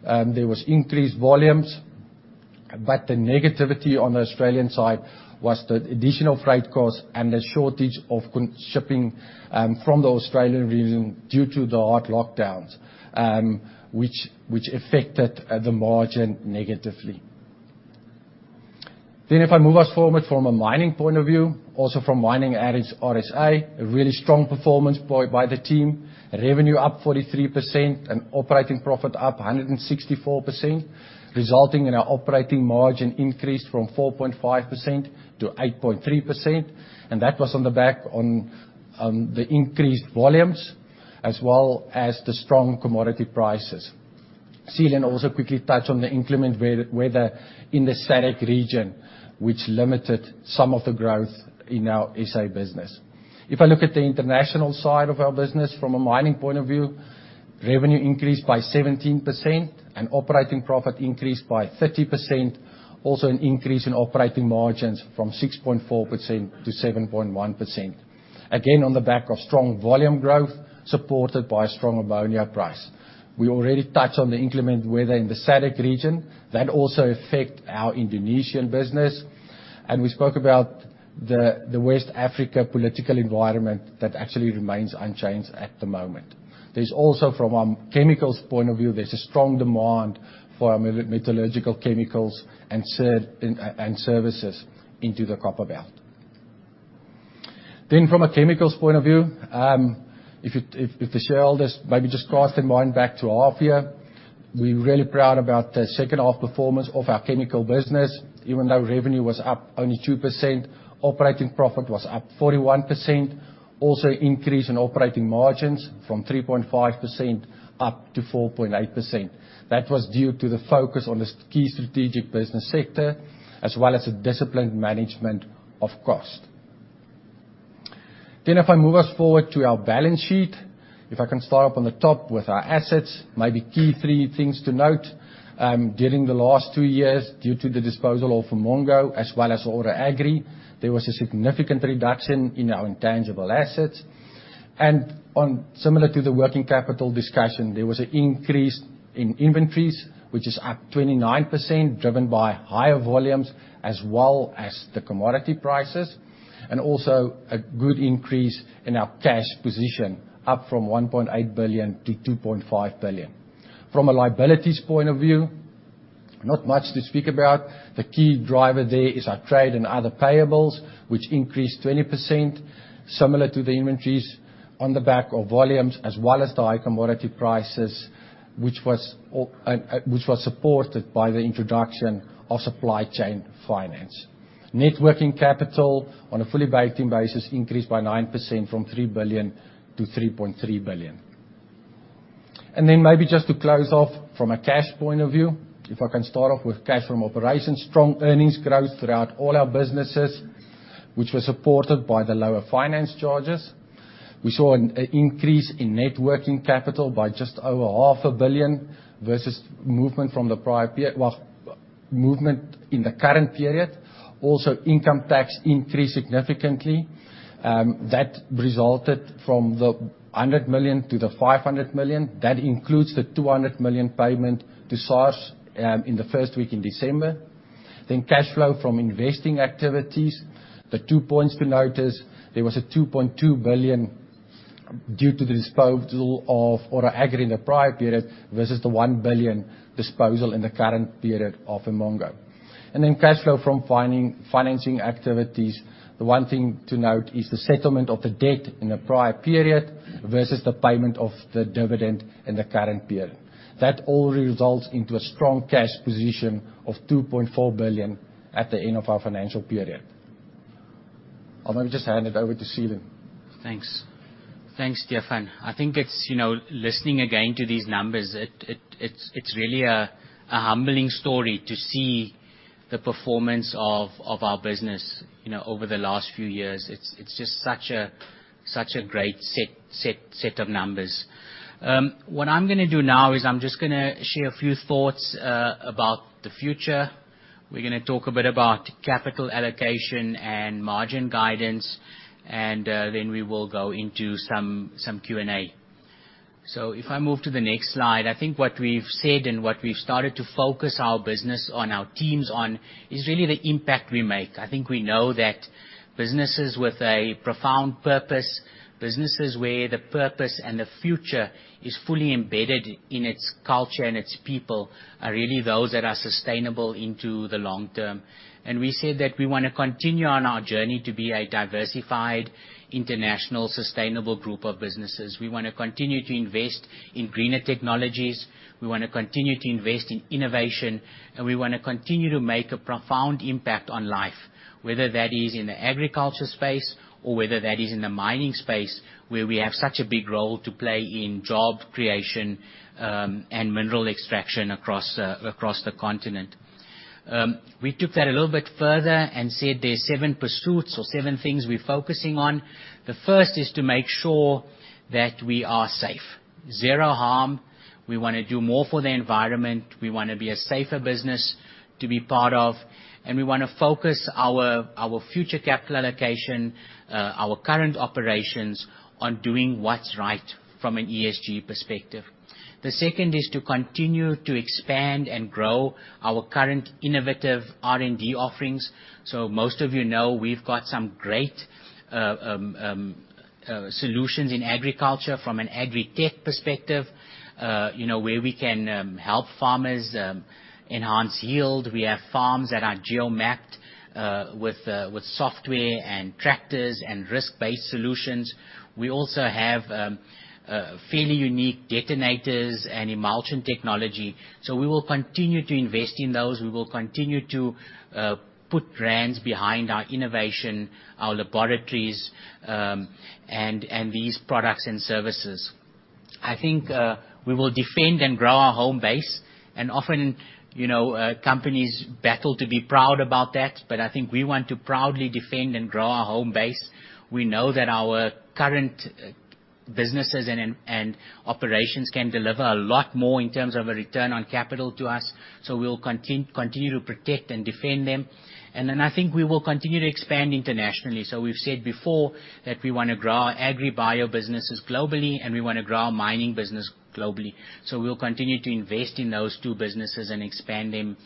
Speaker 2: there was increased volumes, but the negativity on the Australian side was the additional freight costs and the shortage of container shipping from the Australian region due to the hard lockdowns, which affected the margin negatively. If I move us forward from a mining point of view, also from mining out of RSA, a really strong performance by the team. Revenue up 43% and operating profit up 164%, resulting in our operating margin increase from 4.5% to 8.3%, and that was on the back of the increased volumes as well as the strong commodity prices. Seelan also quickly touched on the inclement weather in the SADC region, which limited some of the growth in our SA business. If I look at the international side of our business, from a mining point of view, revenue increased by 17% and operating profit increased by 30%. Also an increase in operating margins from 6.4% to 7.1%. Again, on the back of strong volume growth, supported by a strong ammonia price. We already touched on the inclement weather in the SADC region, that also affect our Indonesian business. We spoke about the West Africa political environment that actually remains unchanged at the moment. There's also, from a chemicals point of view, there's a strong demand for our metallurgical chemicals and services into the Copperbelt. From a chemicals point of view, if the shareholders maybe just cast their mind back to half year, we're really proud about the second half performance of our chemical business. Even though revenue was up only 2%, operating profit was up 41%. Also increase in operating margins from 3.5% up to 4.8%. That was due to the focus on this key strategic business sector, as well as the disciplined management of cost. If I move us forward to our balance sheet, if I can start up on the top with our assets, maybe key three things to note. During the last two years, due to the disposal of Umongo as well as Oro Agri, there was a significant reduction in our intangible assets. On similar to the working capital discussion, there was an increase in inventories, which is up 29%, driven by higher volumes as well as the commodity prices, and also a good increase in our cash position, up from 1.8 billion to 2.5 billion. From a liabilities point of view, not much to speak about. The key driver there is our trade and other payables, which increased 20%, similar to the inventories on the back of volumes, as well as the high commodity prices, which was supported by the introduction of supply chain finance. Net working capital on a like-for-like basis increased by 9% from 3 billion to 3.3 billion. Maybe just to close off from a cash point of view, if I can start off with cash from operations, strong earnings growth throughout all our businesses, which was supported by the lower finance charges. We saw an increase in net working capital by just over ZAR half a billion versus movement from the prior period, well, movement in the current period. Also, income tax increased significantly. That resulted from 100 million to 500 million. That includes the 200 million payment to SARS in the first week in December. Cash flow from investing activities. The two points to note is there was 2.2 billion due to the disposal of Oro Agri in the prior period versus the 1 billion disposal in the current period of Umongo. Cash flow from financing activities. The one thing to note is the settlement of the debt in the prior period versus the payment of the dividend in the current period. That all results into a strong cash position of 2.4 billion at the end of our financial period. I'll maybe just hand it over to Seelan.
Speaker 1: Thanks. Thanks, Stephan. I think it's, you know, listening again to these numbers, it's really a humbling story to see the performance of our business, you know, over the last few years. It's just such a great set of numbers. What I'm gonna do now is I'm just gonna share a few thoughts about the future. We're gonna talk a bit about capital allocation and margin guidance, and then we will go into some Q&A. If I move to the next slide, I think what we've said and what we've started to focus our business on, our teams on, is really the impact we make. I think we know that businesses with a profound purpose, businesses where the purpose and the future is fully embedded in its culture and its people, are really those that are sustainable into the long term. We said that we wanna continue on our journey to be a diversified, international, sustainable group of businesses. We wanna continue to invest in greener technologies. We wanna continue to invest in innovation, and we wanna continue to make a profound impact on life, whether that is in the agriculture space or whether that is in the mining space, where we have such a big role to play in job creation, and mineral extraction across the continent. We took that a little bit further and said there's seven pursuits or seven things we're focusing on. The first is to make sure that we are safe. Zero harm. We wanna do more for the environment. We wanna be a safer business to be part of, and we wanna focus our future capital allocation, our current operations on doing what's right from an ESG perspective. The second is to continue to expand and grow our current innovative R&D offerings. Most of you know we've got some great solutions in agriculture from an agri tech perspective, you know, where we can help farmers enhance yield. We have farms that are geo-mapped with software and tractors and risk-based solutions. We also have a fairly unique detonators and emulsion technology. We will continue to invest in those. We will continue to put brands behind our innovation, our laboratories, and these products and services. I think we will defend and grow our home base, and often, you know, companies battle to be proud about that. I think we want to proudly defend and grow our home base. We know that our current businesses and operations can deliver a lot more in terms of a return on capital to us, so we'll continue to protect and defend them. I think we will continue to expand internationally. We've said before that we wanna grow our agri bio businesses globally, and we wanna grow our mining business globally. We'll continue to invest in those two businesses and expand them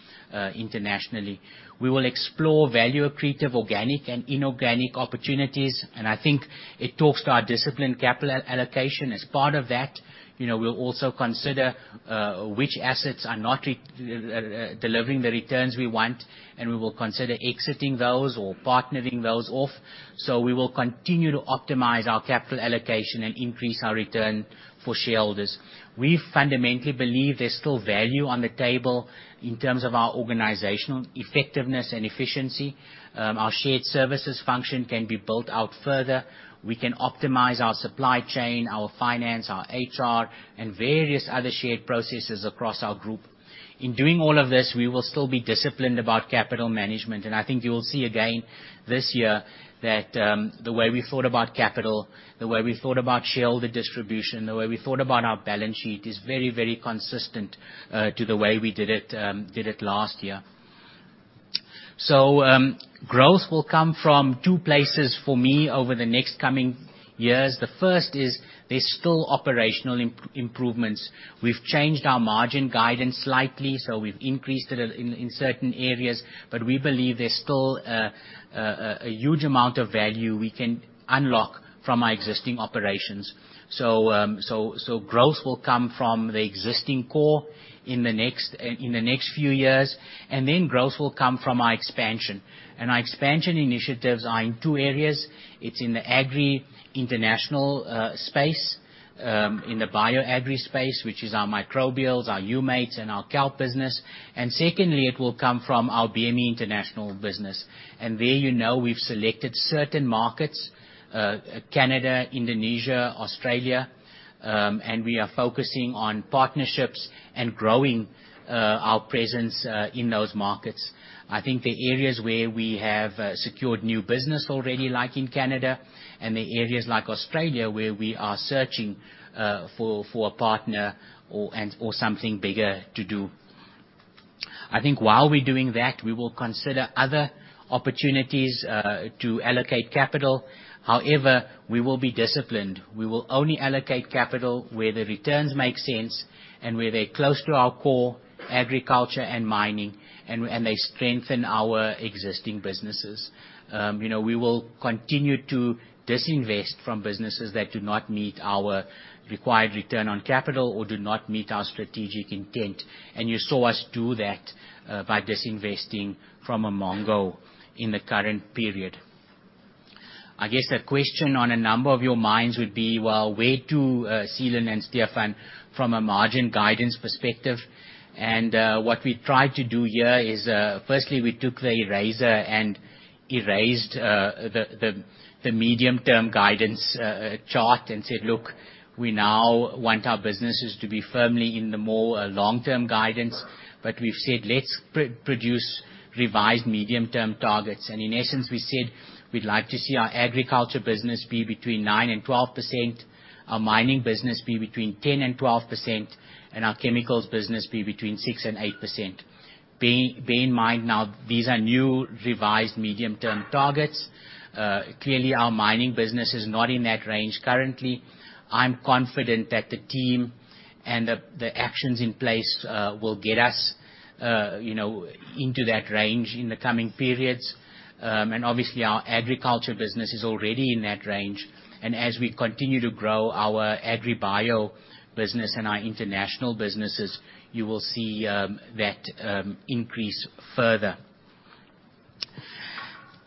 Speaker 1: internationally. We will explore value accretive, organic and inorganic opportunities, and I think it talks to our disciplined capital allocation as part of that. You know, we'll also consider which assets are not delivering the returns we want, and we will consider exiting those or partnering those off. We will continue to optimize our capital allocation and increase our return for shareholders. We fundamentally believe there's still value on the table in terms of our organizational effectiveness and efficiency. Our shared services function can be built out further. We can optimize our supply chain, our finance, our HR, and various other shared processes across our group. In doing all of this, we will still be disciplined about capital management, and I think you'll see again this year that the way we thought about capital, the way we thought about shareholder distribution, the way we thought about our balance sheet is very, very consistent to the way we did it last year. Growth will come from two places for me over the next coming years. The first is there's still operational improvements. We've changed our margin guidance slightly, so we've increased it in certain areas, but we believe there's still a huge amount of value we can unlock from our existing operations. Growth will come from the existing core in the next few years, and then growth will come from our expansion. Our expansion initiatives are in two areas. It's in the agri international space, in the bio agri space, which is our microbials, our Humates, and our Kelp business. Secondly, it will come from our BME international business. There you know we've selected certain markets, Canada, Indonesia, Australia, and we are focusing on partnerships and growing our presence in those markets. I think the areas where we have secured new business already, like in Canada and the areas like Australia, where we are searching for a partner or something bigger to do. I think while we're doing that, we will consider other opportunities to allocate capital. However, we will be disciplined. We will only allocate capital where the returns make sense and where they're close to our core agriculture and mining, and they strengthen our existing businesses. You know, we will continue to disinvest from businesses that do not meet our required return on capital or do not meet our strategic intent. You saw us do that by disinvesting from Umongo in the current period. I guess the question on a number of your minds would be, well, where to Seelan and Stephan from a margin guidance perspective? What we tried to do here is firstly we took the eraser and erased the medium-term guidance chart and said, "Look, we now want our businesses to be firmly in the more long-term guidance." We've said, "Let's produce revised medium-term targets." In essence, we said we'd like to see our agriculture business be between 9% and 12%, our mining business be between 10% and 12%, and our chemicals business be between 6% and 8%. Bear in mind now, these are new revised medium-term targets. Clearly, our mining business is not in that range currently. I'm confident that the team and the actions in place will get us, you know, into that range in the coming periods. Obviously, our agriculture business is already in that range. As we continue to grow our agri-bio business and our international businesses, you will see that increase further.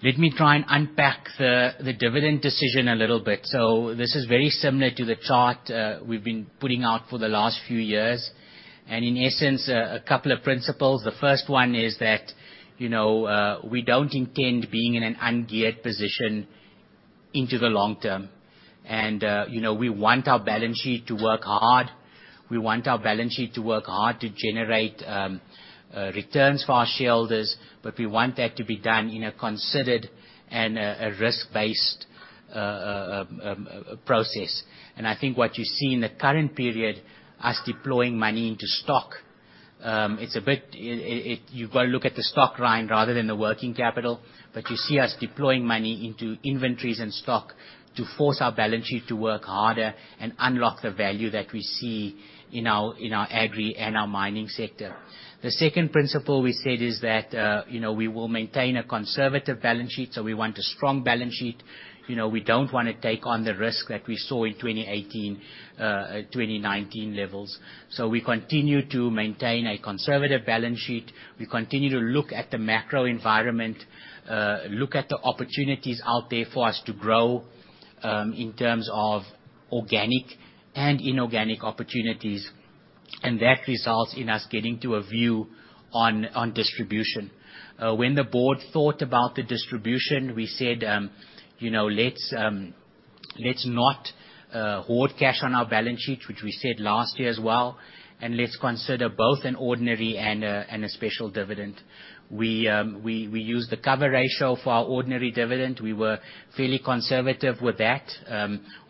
Speaker 1: Let me try and unpack the dividend decision a little bit. This is very similar to the chart we've been putting out for the last few years. In essence, a couple of principles. The first one is that, you know, we don't intend being in an ungeared position into the long term. You know, we want our balance sheet to work hard. We want our balance sheet to work hard to generate returns for our shareholders, but we want that to be done in a considered and a risk-based process. I think what you see in the current period, us deploying money into stock, it's a bit. You've got to look at the stock line rather than the working capital. You see us deploying money into inventories and stock to force our balance sheet to work harder and unlock the value that we see in our agri and our mining sector. The second principle we said is that, you know, we will maintain a conservative balance sheet, so we want a strong balance sheet. You know, we don't wanna take on the risk that we saw in 2018, 2019 levels. We continue to maintain a conservative balance sheet. We continue to look at the macro environment, look at the opportunities out there for us to grow, in terms of organic and inorganic opportunities, and that results in us getting to a view on distribution. When the board thought about the distribution, we said, you know, let's not hold cash on our balance sheet, which we said last year as well, and let's consider both an ordinary and a special dividend. We used the cover ratio for our ordinary dividend. We were fairly conservative with that.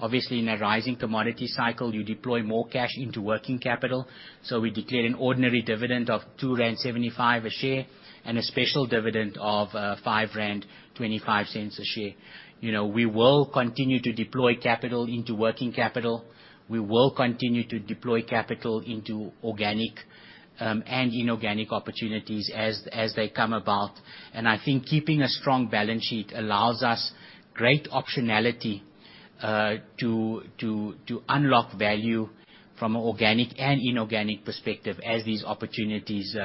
Speaker 1: Obviously, in a rising commodity cycle, you deploy more cash into working capital. We declared an ordinary dividend of 2.75 rand a share and a special dividend of 5.25 rand a share. You know, we will continue to deploy capital into working capital. We will continue to deploy capital into organic and inorganic opportunities as they come about. I think keeping a strong balance sheet allows us great optionality to unlock value from organic and inorganic perspective as these opportunities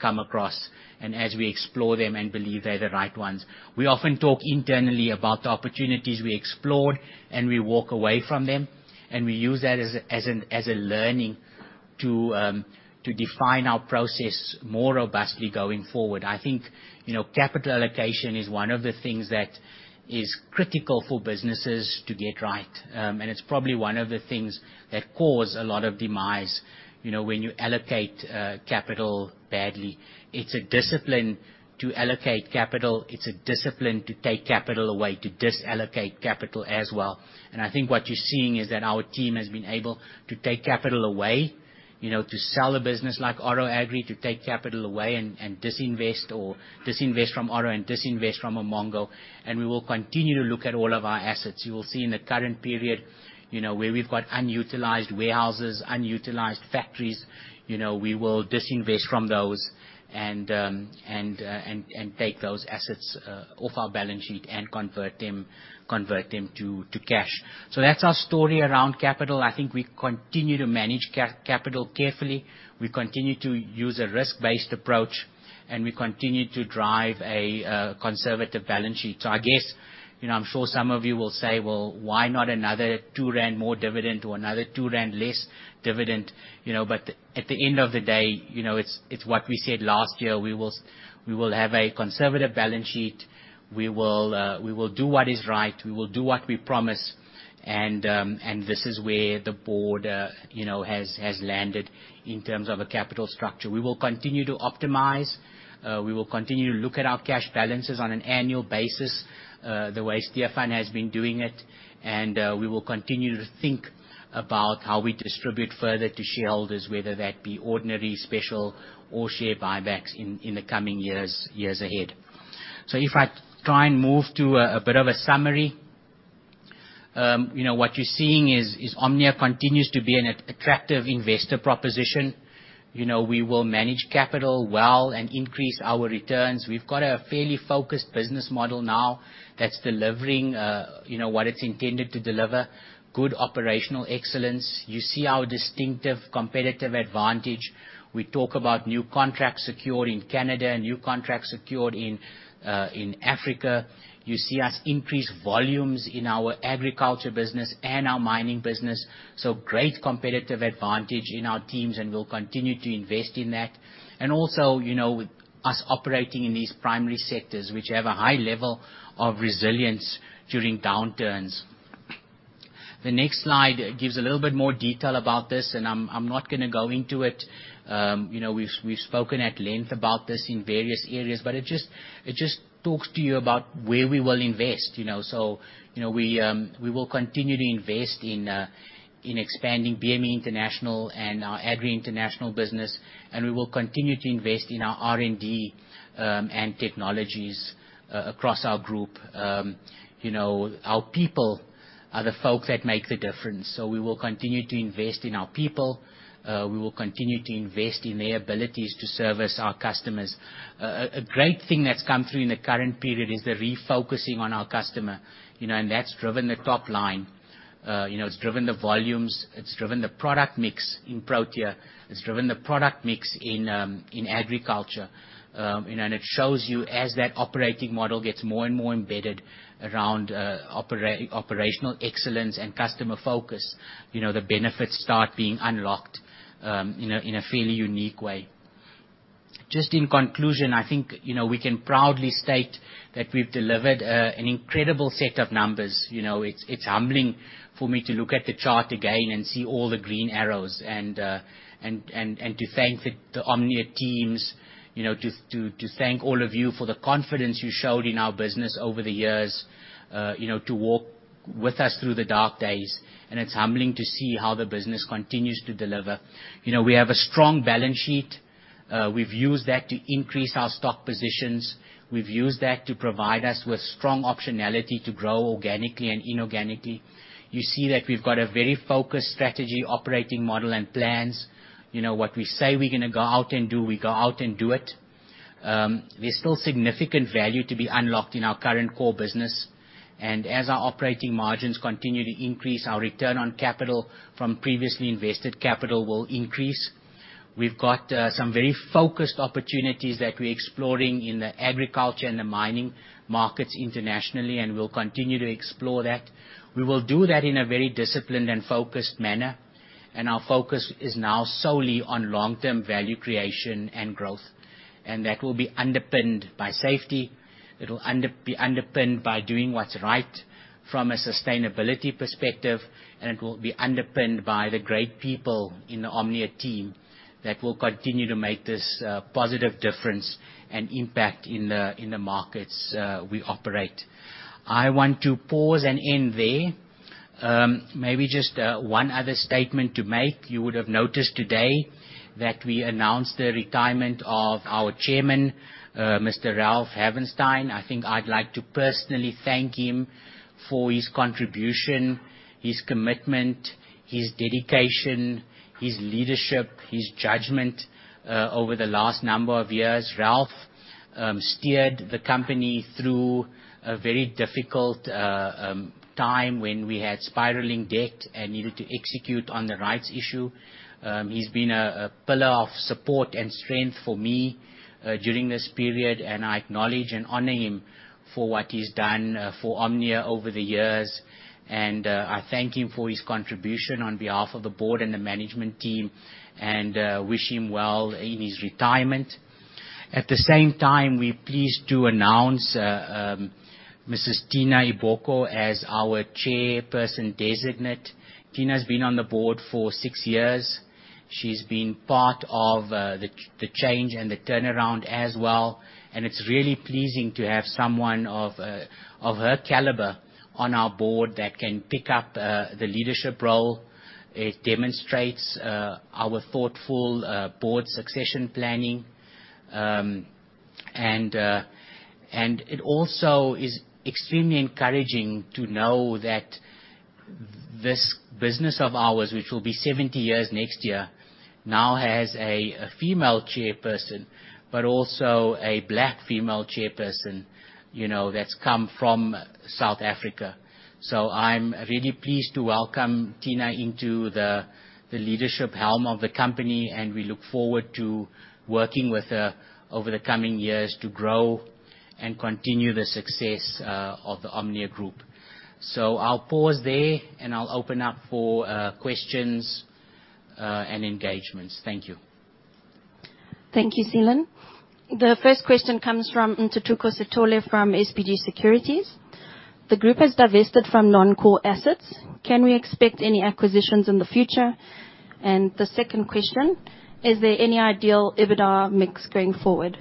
Speaker 1: come across and as we explore them and believe they're the right ones. We often talk internally about the opportunities we explore, and we walk away from them, and we use that as a learning to define our process more robustly going forward. I think, you know, capital allocation is one of the things that is critical for businesses to get right. It's probably one of the things that cause a lot of demise, you know, when you allocate capital badly. It's a discipline to allocate capital. It's a discipline to take capital away, to disallocate capital as well. I think what you're seeing is that our team has been able to take capital away, you know, to sell a business like Oro Agri, to take capital away and disinvest from Oro and disinvest from Umongo. We will continue to look at all of our assets. You will see in the current period, you know, where we've got unutilized warehouses, unutilized factories, you know, we will disinvest from those and take those assets off our balance sheet and convert them to cash. That's our story around capital. I think we continue to manage capital carefully. We continue to use a risk-based approach, and we continue to drive a conservative balance sheet. I guess, you know, I'm sure some of you will say, "Well, why not another 2 rand more dividend or another 2 rand less dividend?" You know, but at the end of the day, you know, it's what we said last year. We will have a conservative balance sheet. We will do what is right. We will do what we promise. This is where the board, you know, has landed in terms of a capital structure. We will continue to optimize. We will continue to look at our cash balances on an annual basis, the way Stephan has been doing it. We will continue to think about how we distribute further to shareholders, whether that be ordinary, special, or share buybacks in the coming years ahead. If I try and move to a bit of a summary, you know, what you're seeing is Omnia continues to be an attractive investor proposition. You know, we will manage capital well and increase our returns. We've got a fairly focused business model now that's delivering, you know, what it's intended to deliver, good operational excellence. You see our distinctive competitive advantage. We talk about new contracts secured in Canada, new contracts secured in Africa. You see us increase volumes in our agriculture business and our mining business. Great competitive advantage in our teams, and we'll continue to invest in that. Also, you know, with us operating in these primary sectors, which have a high level of resilience during downturns. The next slide gives a little bit more detail about this, and I'm not gonna go into it. You know, we've spoken at length about this in various areas, but it just talks to you about where we will invest, you know. You know, we will continue to invest in expanding BME International and our Agri International business, and we will continue to invest in our R&D and technologies across our group. You know, our people are the folks that make the difference. We will continue to invest in our people. We will continue to invest in their abilities to service our customers. A great thing that's come through in the current period is the refocusing on our customer, you know, and that's driven the top line. You know, it's driven the volumes, it's driven the product mix in Protea, it's driven the product mix in agriculture. You know, it shows you as that operating model gets more and more embedded around operational excellence and customer focus, you know, the benefits start being unlocked, you know, in a fairly unique way. Just in conclusion, I think, you know, we can proudly state that we've delivered an incredible set of numbers. You know, it's humbling for me to look at the chart again and see all the green arrows and to thank the Omnia teams. You know, to thank all of you for the confidence you showed in our business over the years. You know, to walk with us through the dark days, and it's humbling to see how the business continues to deliver. You know, we have a strong balance sheet. We've used that to increase our stock positions. We've used that to provide us with strong optionality to grow organically and inorganically. You see that we've got a very focused strategy operating model and plans. You know, what we say we're gonna go out and do, we go out and do it. There's still significant value to be unlocked in our current core business. As our operating margins continue to increase, our return on capital from previously invested capital will increase. We've got some very focused opportunities that we're exploring in the agriculture and the mining markets internationally, and we'll continue to explore that. We will do that in a very disciplined and focused manner, and our focus is now solely on long-term value creation and growth. That will be underpinned by safety, it will be underpinned by doing what's right from a sustainability perspective, and it will be underpinned by the great people in the Omnia team that will continue to make this positive difference and impact in the markets we operate. I want to pause and end there. Maybe just one other statement to make. You would have noticed today that we announced the retirement of our chairman, Mr. Ralph Havenstein. I think I'd like to personally thank him for his contribution, his commitment, his dedication, his leadership, his judgment over the last number of years. Ralph steered the company through a very difficult time when we had spiraling debt and needed to execute on the rights issue. He's been a pillar of support and strength for me during this period, and I acknowledge and honor him for what he's done for Omnia over the years. I thank him for his contribution on behalf of the board and the management team and wish him well in his retirement. At the same time, we're pleased to announce Mrs. Tina Eboka as our chairperson designate. Tina's been on the board for six years. She's been part of the change and the turnaround as well, and it's really pleasing to have someone of her caliber on our board that can pick up the leadership role. It demonstrates our thoughtful board succession planning. It also is extremely encouraging to know that this business of ours, which will be 70 years next year, now has a female chairperson but also a Black female chairperson, you know, that's come from South Africa. I'm really pleased to welcome Tina into the leadership helm of the company, and we look forward to working with her over the coming years to grow and continue the success of the Omnia Group. I'll pause there, and I'll open up for questions and engagements. Thank you.
Speaker 3: Thank you, Seelan. The first question comes from Ntuthuko Sithole from SBG Securities. The group has divested from non-core assets. Can we expect any acquisitions in the future? The second question, is there any ideal EBITDA mix going forward?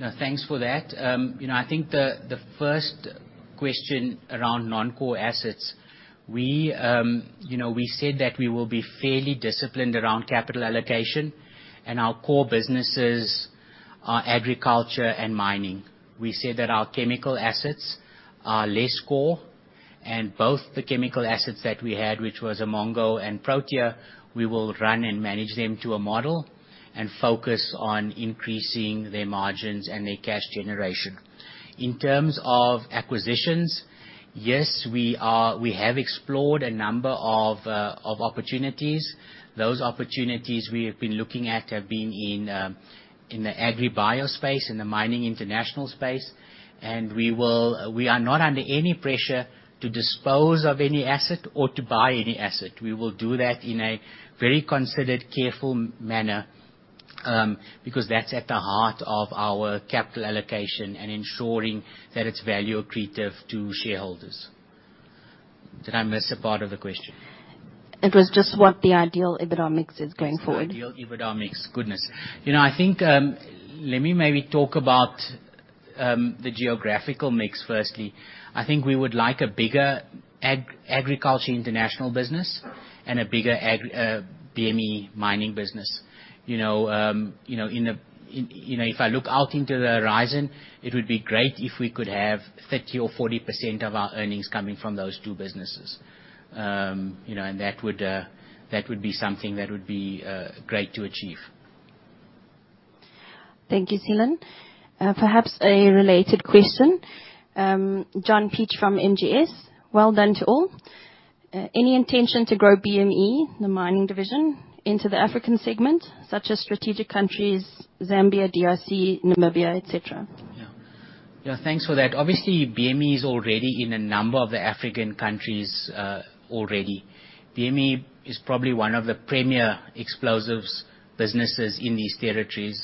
Speaker 1: Yeah. Thanks for that. You know, I think the first question around non-core assets, we you know, we said that we will be fairly disciplined around capital allocation and our core businesses are agriculture and mining. We said that our chemical assets are less core, and both the chemical assets that we had, which was Umongo and Protea, we will run and manage them to a model and focus on increasing their margins and their cash generation. In terms of acquisitions, yes, we have explored a number of opportunities. Those opportunities we have been looking at have been in the agribio space, in the mining international space. We are not under any pressure to dispose of any asset or to buy any asset. We will do that in a very considered, careful manner, because that's at the heart of our capital allocation and ensuring that it's value accretive to shareholders. Did I miss a part of the question?
Speaker 3: It was just what the ideal EBITDA mix is going forward.
Speaker 1: Yes, ideal EBITDA mix. Goodness. You know, I think, let me maybe talk about the geographical mix firstly. I think we would like a bigger agriculture international business and a bigger ag BME mining business. You know, you know, in a. You know, if I look out into the horizon, it would be great if we could have 30% or 40% of our earnings coming from those two businesses. You know, and that would, that would be something that would be, great to achieve.
Speaker 3: Thank you, Seelan. Perhaps a related question. John Peach from NGS. Well done to all. Any intention to grow BME, the mining division, into the African segment, such as strategic countries Zambia, DRC, Namibia, et cetera?
Speaker 1: Yeah. Yeah, thanks for that. Obviously, BME is already in a number of the African countries, already. BME is probably one of the premier explosives businesses in these territories.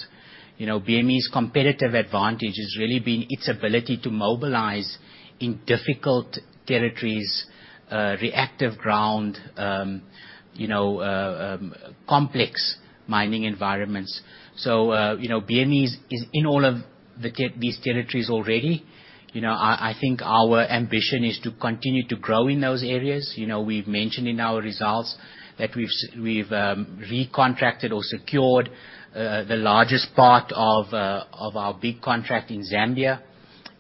Speaker 1: You know, BME's competitive advantage has really been its ability to mobilize in difficult territories, reactive ground, you know, complex mining environments. So, you know, BME is in all of these territories already. You know, I think our ambition is to continue to grow in those areas. You know, we've mentioned in our results that we've recontracted or secured the largest part of our big contract in Zambia.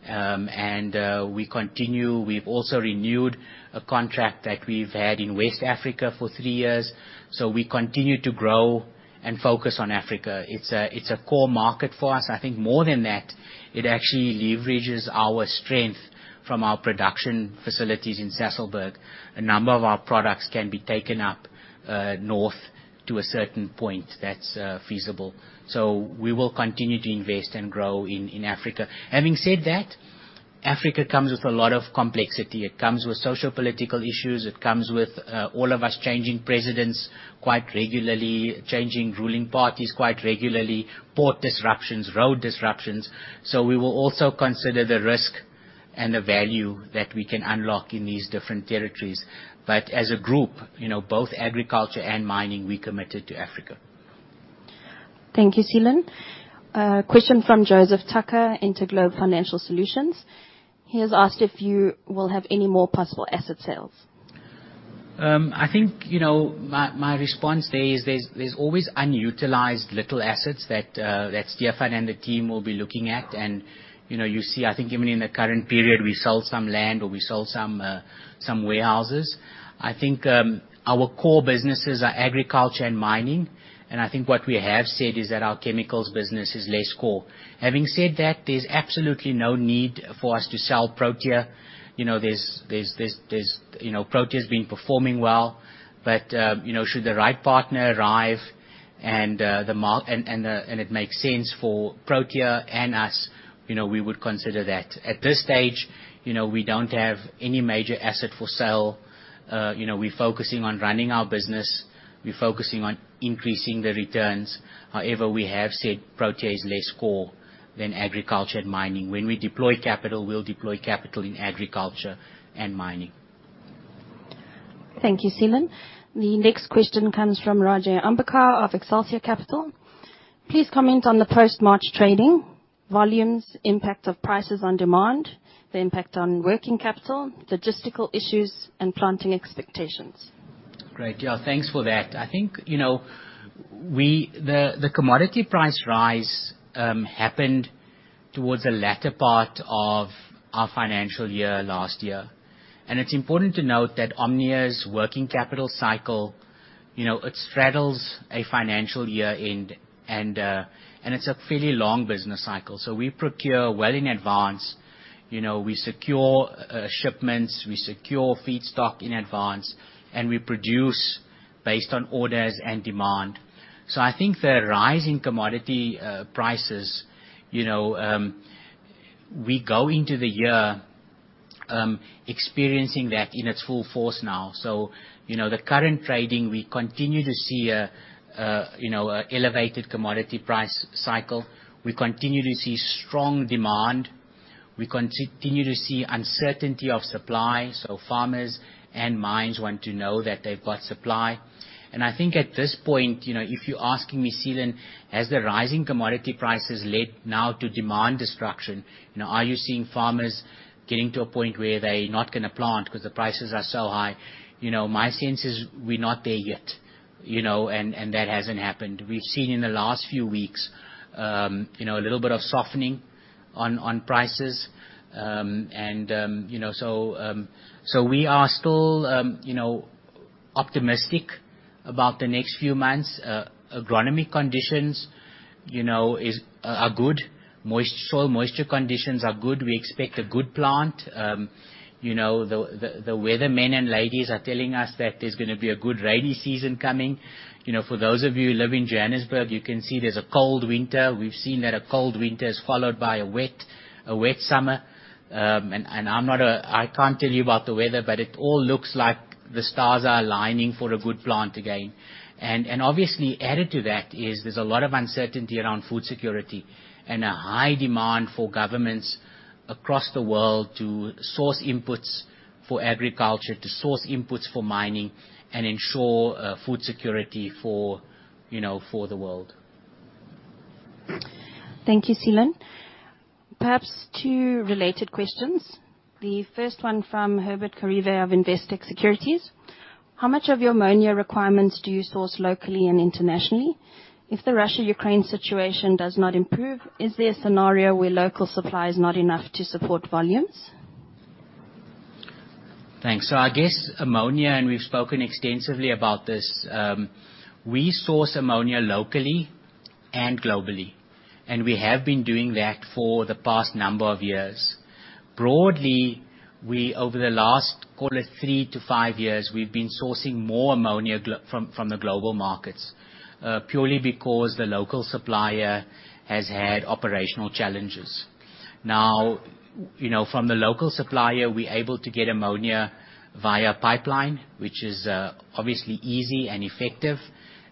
Speaker 1: We continue. We've also renewed a contract that we've had in West Africa for three years. So we continue to grow and focus on Africa. It's a core market for us. I think more than that, it actually leverages our strength from our production facilities in Sasolburg. A number of our products can be taken up north to a certain point that's feasible. We will continue to invest and grow in Africa. Having said that, Africa comes with a lot of complexity. It comes with socio-political issues. It comes with all of us changing presidents quite regularly, changing ruling parties quite regularly, port disruptions, road disruptions. We will also consider the risk and the value that we can unlock in these different territories. As a group, you know, both agriculture and mining, we're committed to Africa.
Speaker 3: Thank you, Seelan. Question from Joseph Tucker, Interglobe Financial Solutions. He has asked if you will have any more possible asset sales.
Speaker 1: I think, you know, my response there is there's always unutilized little assets that that Stephan and the team will be looking at. You know, you see, I think even in the current period, we sold some land or we sold some warehouses. I think our core businesses are agriculture and mining, and I think what we have said is that our chemicals business is less core. Having said that, there's absolutely no need for us to sell Protea. You know, there's you know, Protea's been performing well. You know, should the right partner arrive and it makes sense for Protea and us, you know, we would consider that. At this stage, you know, we don't have any major asset for sale. You know, we're focusing on running our business. We're focusing on increasing the returns. However, we have said Protea is less core than agriculture and mining. When we deploy capital, we'll deploy capital in agriculture and mining.
Speaker 3: Thank you, Seelan. The next question comes from Raja Ambakar of Excelsior Capital. Please comment on the post-March trading volumes, impact of prices on demand, the impact on working capital, logistical issues and planting expectations.
Speaker 1: Great. Yeah, thanks for that. I think, you know, The commodity price rise happened towards the latter part of our financial year last year. It's important to note that Omnia's working capital cycle, you know, it straddles a financial year-end and it's a fairly long business cycle. We procure well in advance. You know, we secure shipments, we secure feedstock in advance, and we produce based on orders and demand. I think the rise in commodity prices, you know, we go into the year experiencing that in its full force now. You know, the current trading, we continue to see a elevated commodity price cycle. We continue to see strong demand. We continue to see uncertainty of supply. Farmers and mines want to know that they've got supply. I think at this point, you know, if you're asking me, Seelan, has the rising commodity prices led now to demand destruction? You know, are you seeing farmers getting to a point where they're not gonna plant 'cause the prices are so high? You know, my sense is we're not there yet, you know, and that hasn't happened. We've seen in the last few weeks, you know, a little bit of softening on prices. And, you know, so we are still, you know, optimistic about the next few months. Agronomy conditions, you know, are good. Moist soil moisture conditions are good. We expect a good plant. You know, the weathermen and ladies are telling us that there's gonna be a good rainy season coming. You know, for those of you who live in Johannesburg, you can see there's a cold winter. We've seen that a cold winter is followed by a wet summer. I can't tell you about the weather, but it all looks like the stars are aligning for a good plant again. Obviously added to that is there's a lot of uncertainty around food security and a high demand for governments across the world to source inputs for agriculture, to source inputs for mining, and ensure food security for you know for the world.
Speaker 3: Thank you, Seelan. Perhaps two related questions. The first one from Herbert Kharivhe of Investec Securities. How much of your ammonia requirements do you source locally and internationally? If the Russia-Ukraine situation does not improve, is there a scenario where local supply is not enough to support volumes?
Speaker 1: Thanks. I guess ammonia, and we've spoken extensively about this, we source ammonia locally and globally, and we have been doing that for the past number of years. Broadly, we over the last, call it three-five years, we've been sourcing more ammonia from the global markets, purely because the local supplier has had operational challenges. Now, you know, from the local supplier, we're able to get ammonia via pipeline, which is obviously easy and effective,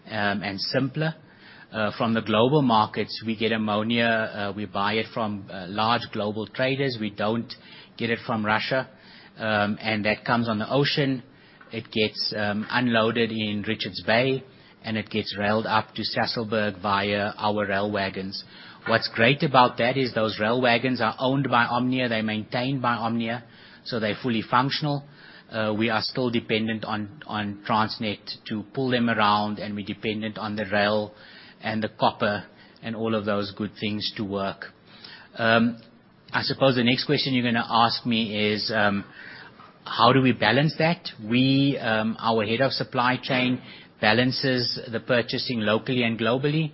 Speaker 1: and simpler. From the global markets, we get ammonia, we buy it from large global traders. We don't get it from Russia, and that comes on the ocean. It gets unloaded in Richards Bay, and it gets railed up to Sasolburg via our rail wagons. What's great about that is those rail wagons are owned by Omnia. They're maintained by Omnia, so they're fully functional. We are still dependent on Transnet to pull them around, and we're dependent on the rail and the copper and all of those good things to work. I suppose the next question you're gonna ask me is, how do we balance that? Our head of supply chain balances the purchasing locally and globally,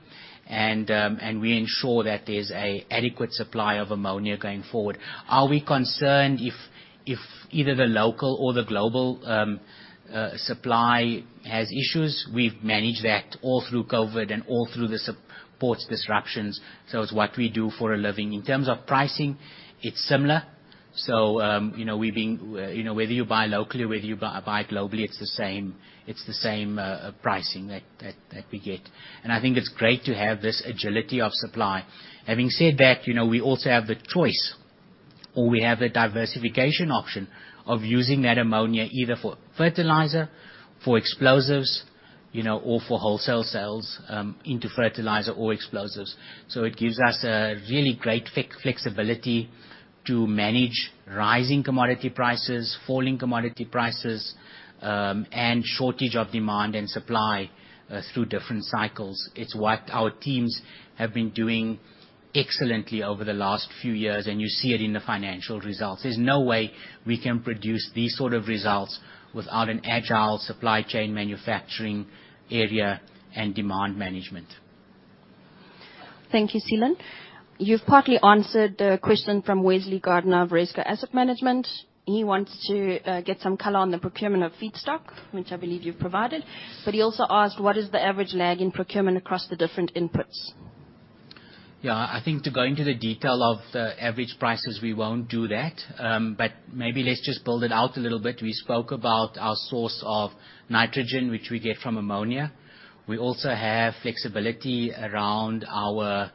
Speaker 1: and we ensure that there's an adequate supply of ammonia going forward. Are we concerned if either the local or the global supply has issues? We've managed that all through COVID and all through the port disruptions, so it's what we do for a living. In terms of pricing, it's similar, so, you know, we've been, you know, whether you buy locally or whether you buy globally, it's the same. It's the same pricing that we get, and I think it's great to have this agility of supply. Having said that, you know, we also have the choice or we have the diversification option of using that ammonia either for fertilizer, for explosives, you know, or for wholesale sales into fertilizer or explosives. So it gives us a really great flexibility to manage rising commodity prices, falling commodity prices, and shortage of demand and supply through different cycles. It's what our teams have been doing excellently over the last few years, and you see it in the financial results. There's no way we can produce these sort of results without an agile supply chain manufacturing area and demand management.
Speaker 3: Thank you, Seelan. You've partly answered the question from Wesley Gardner of Reitz Asset Management. He wants to get some color on the procurement of feedstock, which I believe you've provided, but he also asked what is the average lag in procurement across the different inputs?
Speaker 1: Yeah. I think to go into the detail of the average prices, we won't do that, maybe let's just build it out a little bit. We spoke about our source of nitrogen, which we get from ammonia. We also have flexibility around our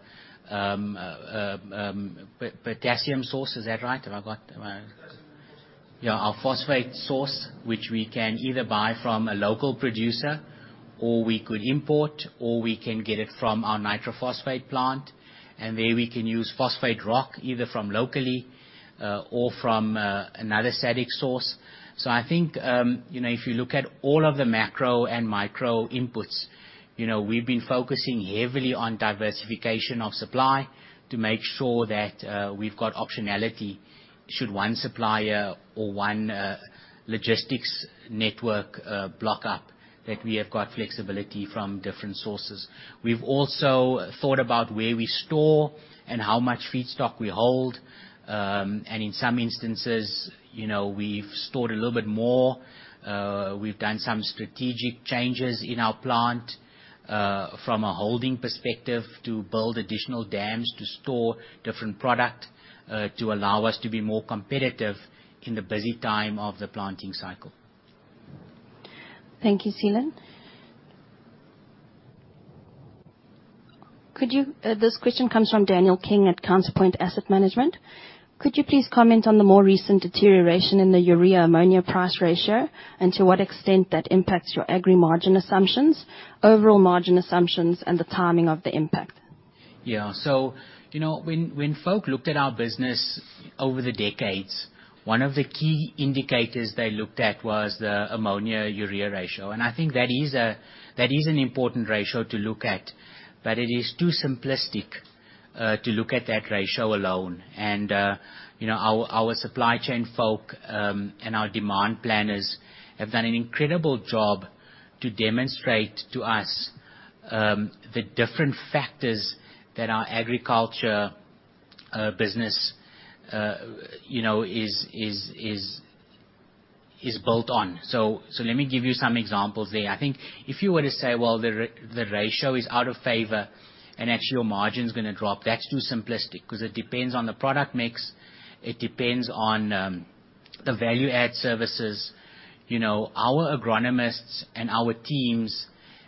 Speaker 1: potassium source. Is that right? Have I got my-
Speaker 3: Phosphorus.
Speaker 1: Yeah, our phosphate source, which we can either buy from a local producer or we could import, or we can get it from our nitrophosphate plant and there we can use phosphate rock either from locally, or from, another static source. I think, you know, if you look at all of the macro and micro inputs, you know, we've been focusing heavily on diversification of supply to make sure that, we've got optionality should one supplier or one, logistics network, block up, that we have got flexibility from different sources. We've also thought about where we store and how much feedstock we hold, and in some instances, you know, we've stored a little bit more. We've done some strategic changes in our plant from a holding perspective to build additional dams to store different product to allow us to be more competitive in the busy time of the planting cycle.
Speaker 3: Thank you, Seelan. This question comes from Daniel King at Counterpoint Asset Management. Could you please comment on the more recent deterioration in the urea-ammonia price ratio and to what extent that impacts your agri margin assumptions, overall margin assumptions and the timing of the impact?
Speaker 1: Yeah. You know, when folk looked at our business over the decades, one of the key indicators they looked at was the ammonia-urea ratio, and I think that is an important ratio to look at, but it is too simplistic to look at that ratio alone. You know, our supply chain folk and our demand planners have done an incredible job to demonstrate to us the different factors that our agriculture business you know is built on. Let me give you some examples there. I think if you were to say, "Well, the ratio is out of favor and actually your margin's gonna drop," that's too simplistic 'cause it depends on the product mix. It depends on the value-added services, you know, our agronomists and our teams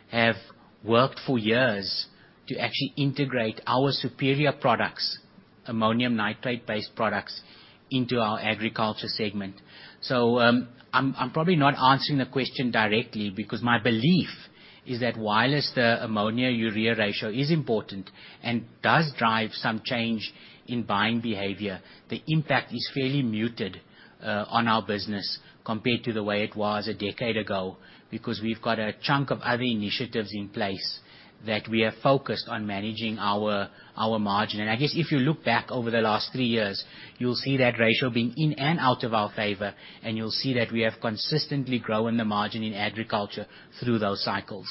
Speaker 1: have worked for years to actually integrate our superior products, ammonium nitrate-based products, into our agriculture segment. I'm probably not answering the question directly because my belief is that while the ammonia-urea ratio is important and does drive some change in buying behavior, the impact is fairly muted on our business compared to the way it was a decade ago. Because we've got a chunk of other initiatives in place that we are focused on managing our margin. I guess if you look back over the last three years, you'll see that ratio being in and out of our favor, and you'll see that we have consistently grown the margin in agriculture through those cycles.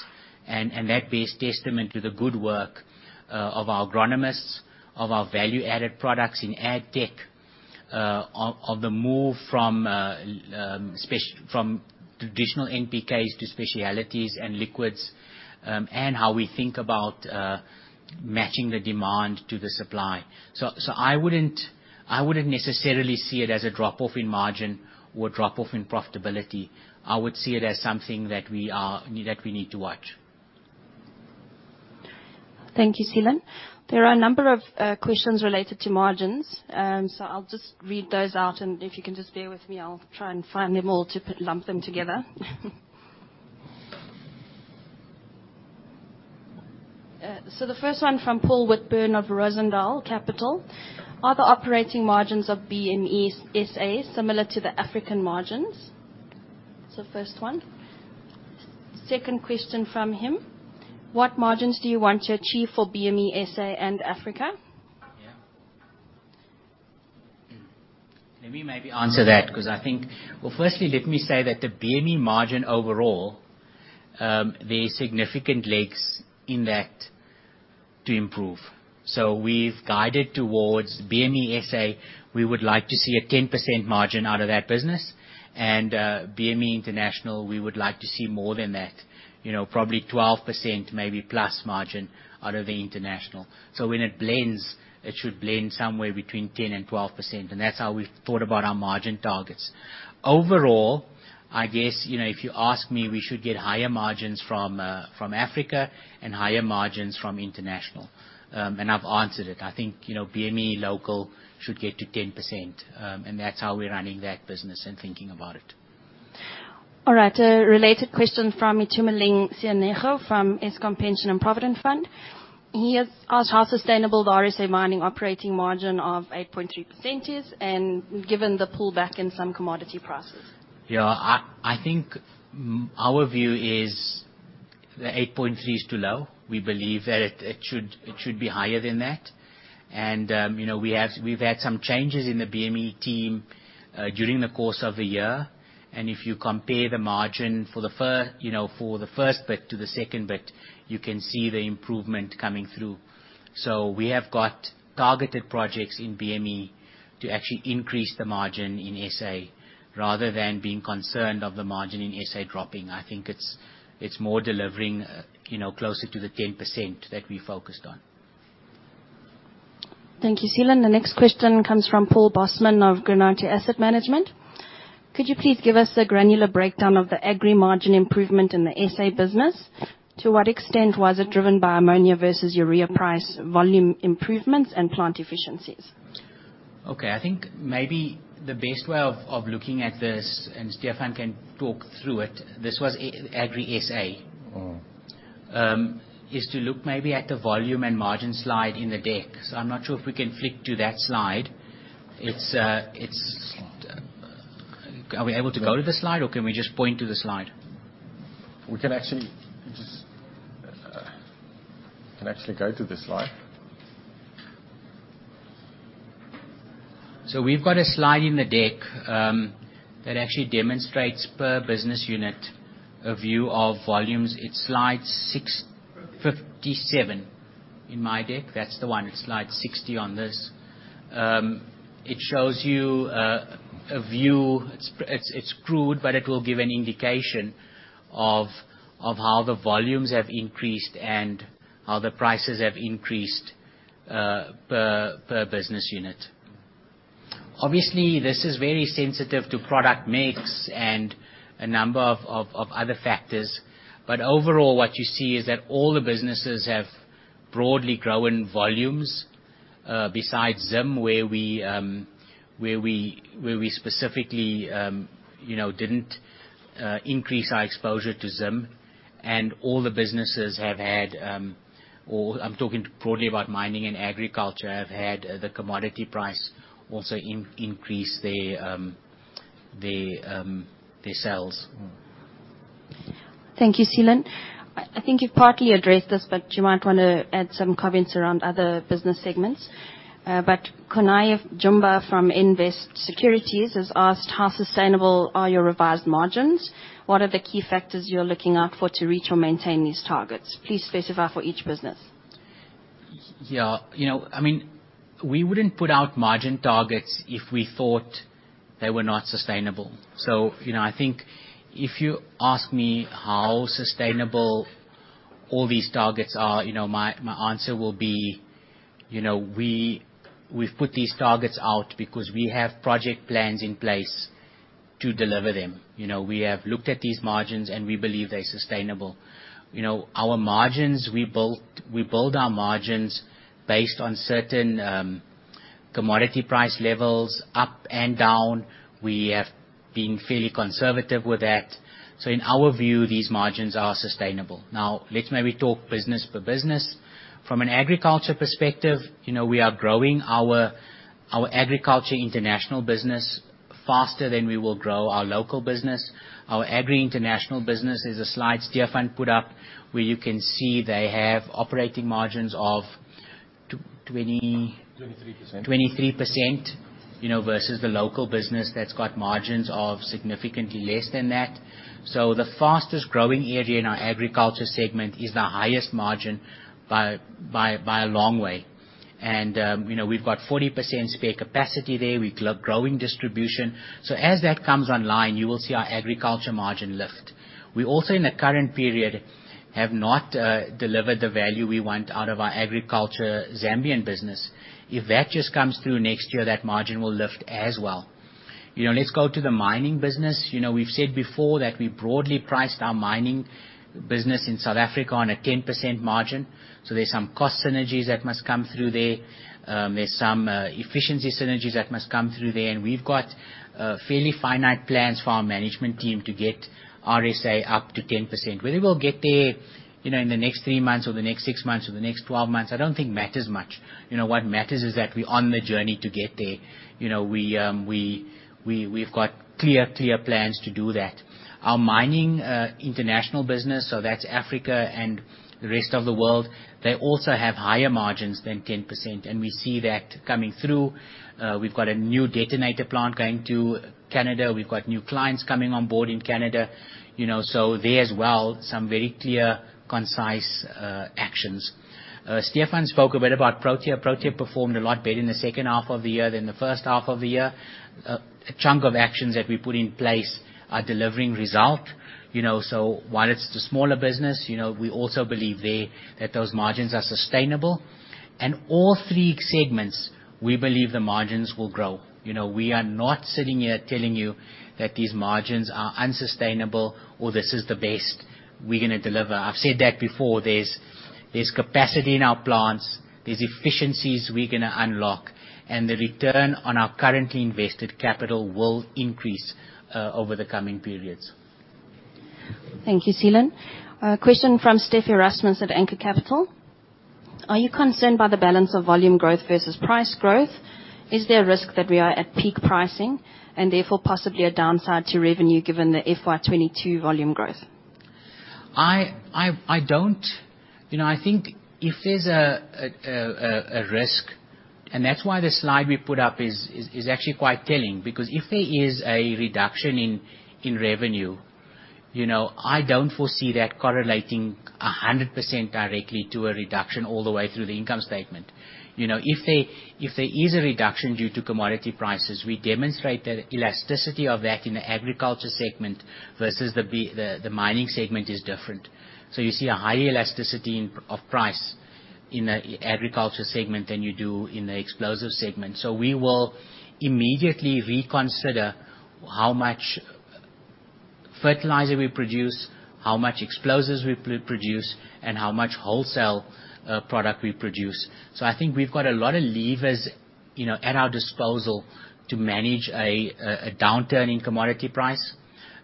Speaker 1: That bears testament to the good work of our agronomists, of our value-added products in AgTech, of the move from traditional NPKs to specialties and liquids, and how we think about matching the demand to the supply. I wouldn't necessarily see it as a drop-off in margin or drop-off in profitability. I would see it as something that we need to watch.
Speaker 3: Thank you, Seelan. There are a number of questions related to margins. I'll just read those out and if you can just bear with me, I'll try and find them all to lump them together. The first one from Paul Whitburn of Rozendal Partners. Are the operating margins of BME SA similar to the African margins? It's the first one. Second question from him. What margins do you want to achieve for BME SA and Africa?
Speaker 1: Yeah. Let me maybe answer that because I think. Well, firstly, let me say that the BME margin overall, there are significant legs in that to improve. We've guided towards BME SA. We would like to see a 10% margin out of that business. BME International, we would like to see more than that, you know, probably 12%, maybe plus margin out of the international. When it blends, it should blend somewhere between 10% and 12%, and that's how we've thought about our margin targets. Overall, I guess, you know, if you ask me, we should get higher margins from Africa and higher margins from international. I've answered it. I think, you know, BME local should get to 10%, and that's how we're running that business and thinking about it.
Speaker 3: All right. A related question from Itumeleng Seanego from Eskom Pension and Provident Fund. He has asked how sustainable the RSA mining operating margin of 8.3% is, given the pullback in some commodity prices.
Speaker 1: Yeah. I think our view is the 8.3% is too low. We believe that it should be higher than that. You know, we've had some changes in the BME team during the course of the year. If you compare the margin for the first half to the second half, you can see the improvement coming through. We have got targeted projects in BME to actually increase the margin in SA rather than being concerned of the margin in SA dropping. I think it's more about delivering, you know, closer to the 10% that we focused on.
Speaker 3: Thank you, Seelan. The next question comes from Paul Bosman of Granate Asset Management. Could you please give us a granular breakdown of the agri margin improvement in the SA business? To what extent was it driven by ammonia versus urea price volume improvements and plant efficiencies?
Speaker 1: Okay. I think maybe the best way of looking at this, and Stephan can talk through it. This was E-Agri SA.
Speaker 3: Mm-hmm.
Speaker 1: Is to look maybe at the volume and margin slide in the deck. I'm not sure if we can flick to that slide. Are we able to go to the slide or can we just point to the slide?
Speaker 3: We can actually go to the slide.
Speaker 1: We've got a slide in the deck, that actually demonstrates per business unit a view of volumes. It's slide six.
Speaker 3: 57.
Speaker 1: 57 in my deck. That's the one. It's slide 60 on this. It shows you a view. It's crude, but it will give an indication of how the volumes have increased and how the prices have increased per business unit. Obviously, this is very sensitive to product mix and a number of other factors. Overall, what you see is that all the businesses have broadly grown volumes besides Zim, where we specifically you know didn't increase our exposure to Zim. All the businesses have had or I'm talking broadly about mining and agriculture, have had the commodity price also increase their sales.
Speaker 3: Thank you, Seelan. I think you've partly addressed this, but you might wanna add some comments around other business segments. Khonaye Jumba from Nvest Securities has asked, how sustainable are your revised margins? What are the key factors you're looking out for to reach or maintain these targets? Please specify for each business.
Speaker 1: Yeah. You know, I mean, we wouldn't put out margin targets if we thought they were not sustainable. You know, I think if you ask me how sustainable. All these targets are, you know, my answer will be, you know, we've put these targets out because we have project plans in place to deliver them. You know, we have looked at these margins, and we believe they're sustainable. You know, our margins, we built, we build our margins based on certain, commodity price levels up and down. We have been fairly conservative with that. In our view, these margins are sustainable. Now, let's maybe talk business per business. From an agriculture perspective, you know, we are growing our agriculture international business faster than we will grow our local business. Our agri international business is a slide Stephan put up, where you can see they have operating margins of 20%.
Speaker 3: 23%.
Speaker 1: 23%, you know, versus the local business that's got margins of significantly less than that. The fastest growing area in our agriculture segment is the highest margin by a long way. You know, we've got 40% spare capacity there. Growing distribution. As that comes online, you will see our agriculture margin lift. We also, in the current period, have not delivered the value we want out of our agriculture Zambian business. If that just comes through next year, that margin will lift as well. You know, let's go to the mining business. You know, we've said before that we broadly priced our mining business in South Africa on a 10% margin, so there's some cost synergies that must come through there. There's some efficiency synergies that must come through there, and we've got fairly finite plans for our management team to get RSA up to 10%. Whether we'll get there, you know, in the next 3 months or the next 6 months or the next 12 months, I don't think matters much. You know, what matters is that we're on the journey to get there. You know, we've got clear plans to do that. Our mining international business, so that's Africa and the rest of the world, they also have higher margins than 10%, and we see that coming through. We've got a new detonator plant going to Canada. We've got new clients coming on board in Canada. You know, so there as well, some very clear, concise actions. Stephan spoke a bit about Protea. Protea performed a lot better in the second half of the year than the first half of the year. A chunk of actions that we put in place are delivering result. You know, so while it's the smaller business, you know, we also believe there that those margins are sustainable. All three segments, we believe the margins will grow. You know, we are not sitting here telling you that these margins are unsustainable or this is the best we're gonna deliver. I've said that before. There's capacity in our plants. There's efficiencies we're gonna unlock, and the return on our currently invested capital will increase over the coming periods.
Speaker 3: Thank you, Seelan. Question from Stephan Erasmus at Anchor Capital. Are you concerned by the balance of volume growth versus price growth? Is there a risk that we are at peak pricing and therefore possibly a downside to revenue given the FY 2022 volume growth?
Speaker 1: I don't. You know, I think if there's a risk. That's why the slide we put up is actually quite telling because if there is a reduction in revenue, you know, I don't foresee that correlating 100% directly to a reduction all the way through the income statement. You know, if there is a reduction due to commodity prices, we demonstrate that elasticity of that in the agriculture segment versus the mining segment is different. You see a higher elasticity of price in the agriculture segment than you do in the explosive segment. We will immediately reconsider how much fertilizer we produce, how much explosives we produce, and how much wholesale product we produce. I think we've got a lot of levers, you know, at our disposal to manage a downturn in commodity price,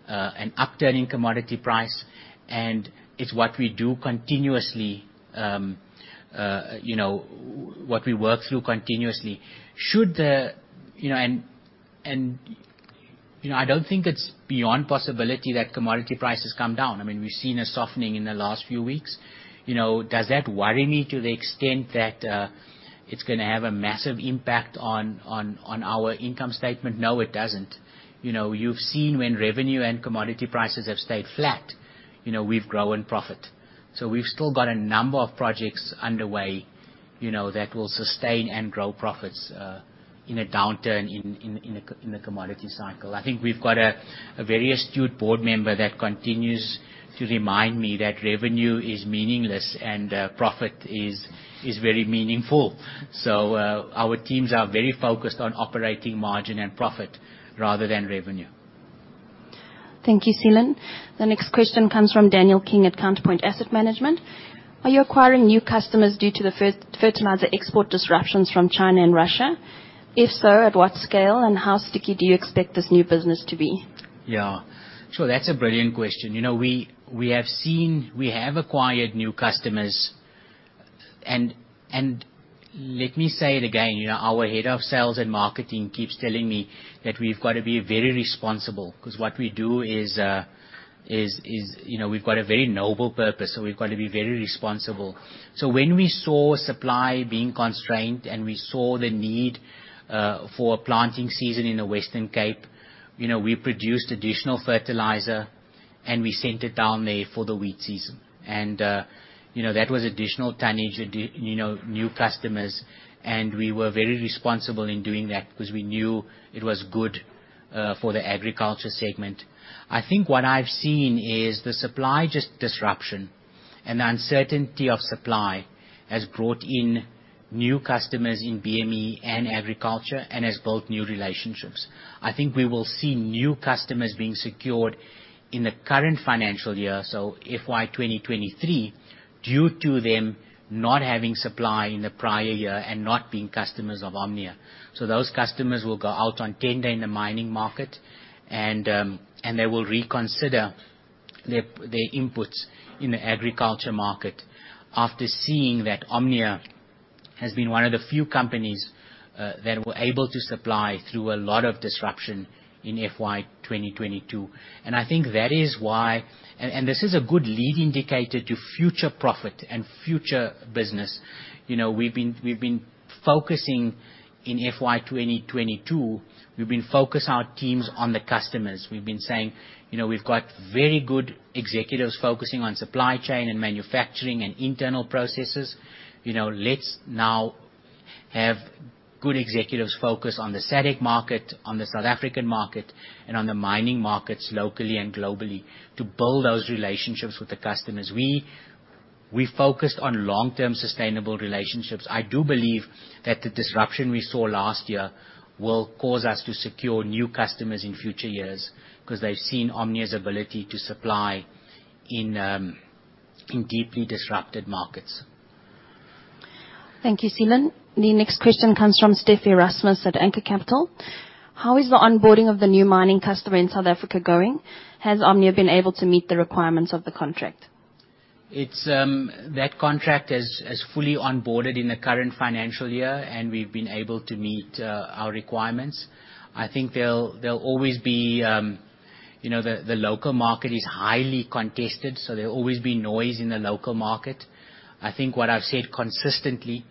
Speaker 1: an upturn in commodity price, and it's what we do continuously, you know, what we work through continuously. You know, I don't think it's beyond possibility that commodity prices come down. I mean, we've seen a softening in the last few weeks. You know, does that worry me to the extent that it's gonna have a massive impact on our income statement? No, it doesn't. You know, you've seen when revenue and commodity prices have stayed flat, you know, we've grown profit. We've still got a number of projects underway, you know, that will sustain and grow profits in a downturn in the commodity cycle. I think we've got a very astute board member that continues to remind me that revenue is meaningless and profit is very meaningful. Our teams are very focused on operating margin and profit rather than revenue.
Speaker 3: Thank you, Seelan. The next question comes from Daniel King at Counterpoint Asset Management. Are you acquiring new customers due to the fertilizer export disruptions from China and Russia? If so, at what scale, and how sticky do you expect this new business to be?
Speaker 1: Yeah. That's a brilliant question. We have acquired new customers. Let me say it again, you know, our head of sales and marketing keeps telling me that we've got to be very responsible 'cause what we do is, you know, we've got a very noble purpose, so we've got to be very responsible. When we saw supply being constrained and we saw the need for a planting season in the Western Cape, you know, we produced additional fertilizer, and we sent it down there for the wheat season. You know, that was additional tonnage, you know, new customers, and we were very responsible in doing that because we knew it was good. For the agriculture segment, I think what I've seen is the supply disruption and the uncertainty of supply has brought in new customers in BME and agriculture and has built new relationships. I think we will see new customers being secured in the current financial year, so FY 2023, due to them not having supply in the prior year and not being customers of Omnia. Those customers will go out on tender in the mining market and they will reconsider their inputs in the agriculture market after seeing that Omnia has been one of the few companies that were able to supply through a lot of disruption in FY 2022. I think that is why. This is a good lead indicator to future profit and future business. You know, we've been focusing in FY 2022, we've been focused our teams on the customers. We've been saying, you know, we've got very good executives focusing on supply chain and manufacturing and internal processes. You know, let's now have good executives focus on the SADC market, on the South African market, and on the mining markets locally and globally to build those relationships with the customers. We focused on long-term sustainable relationships. I do believe that the disruption we saw last year will cause us to secure new customers in future years 'cause they've seen Omnia's ability to supply in deeply disrupted markets.
Speaker 3: Thank you, Seelan. The next question comes from Stephan Erasmus at Anchor Capital. How is the onboarding of the new mining customer in South Africa going? Has Omnia been able to meet the requirements of the contract?
Speaker 1: That contract is fully onboarded in the current financial year, and we've been able to meet our requirements. I think there'll always be you know the local market is highly contested, so there'll always be noise in the local market. I think what I've said consistently,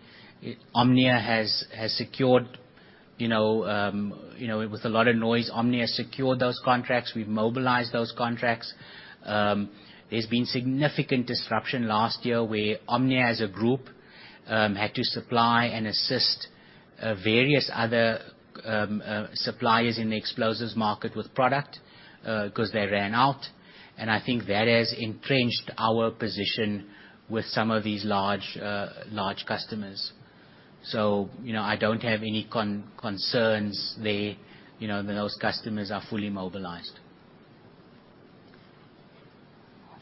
Speaker 1: Omnia has secured you know you know with a lot of noise, Omnia secured those contracts. We've mobilized those contracts. There's been significant disruption last year where Omnia as a group had to supply and assist various other suppliers in the explosives market with product, 'cause they ran out. I think that has entrenched our position with some of these large customers. You know, I don't have any concerns there. You know, those customers are fully mobilized.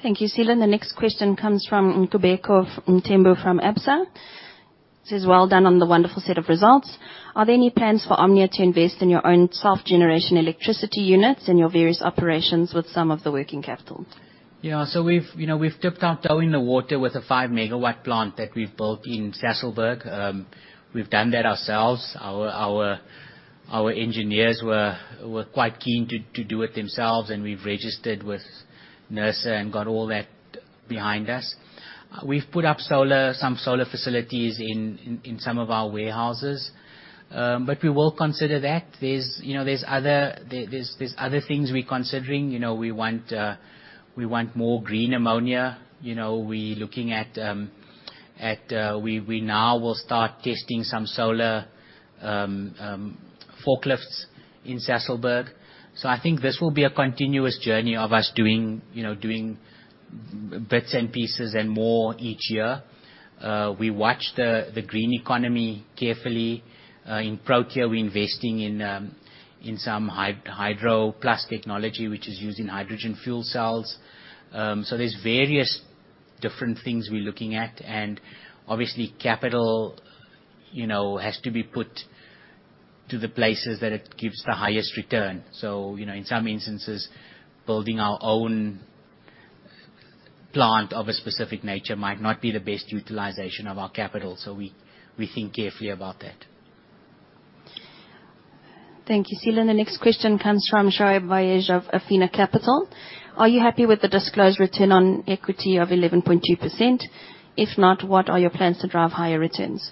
Speaker 3: Thank you, Seelan. The next question comes from Ngubeko Mtembu from Absa. Says well done on the wonderful set of results. Are there any plans for Omnia to invest in your own self-generation electricity units in your various operations with some of the working capital?
Speaker 1: Yeah. We've, you know, dipped our toe in the water with a 5-MW plant that we've built in Sasolburg. We've done that ourselves. Our engineers were quite keen to do it themselves, and we've registered with NERSA and got all that behind us. We've put up some solar facilities in some of our warehouses, but we will consider that. There's, you know, other things we're considering. You know, we want more green ammonia. You know, we looking at. We now will start testing some solar forklifts in Sasolburg. I think this will be a continuous journey of us doing, you know, bits and pieces and more each year. We watch the green economy carefully. In Protea, we're investing in some HydroPlus technology which is used in hydrogen fuel cells. There's various different things we're looking at. Obviously capital, you know, has to be put to the places that it gives the highest return. You know, in some instances, building our own plant of a specific nature might not be the best utilization of our capital. We think carefully about that.
Speaker 3: Thank you, Seelan. The next question comes from Shoaib Vayej of Afena Capital. Are you happy with the disclosed return on equity of 11.2%? If not, what are your plans to drive higher returns?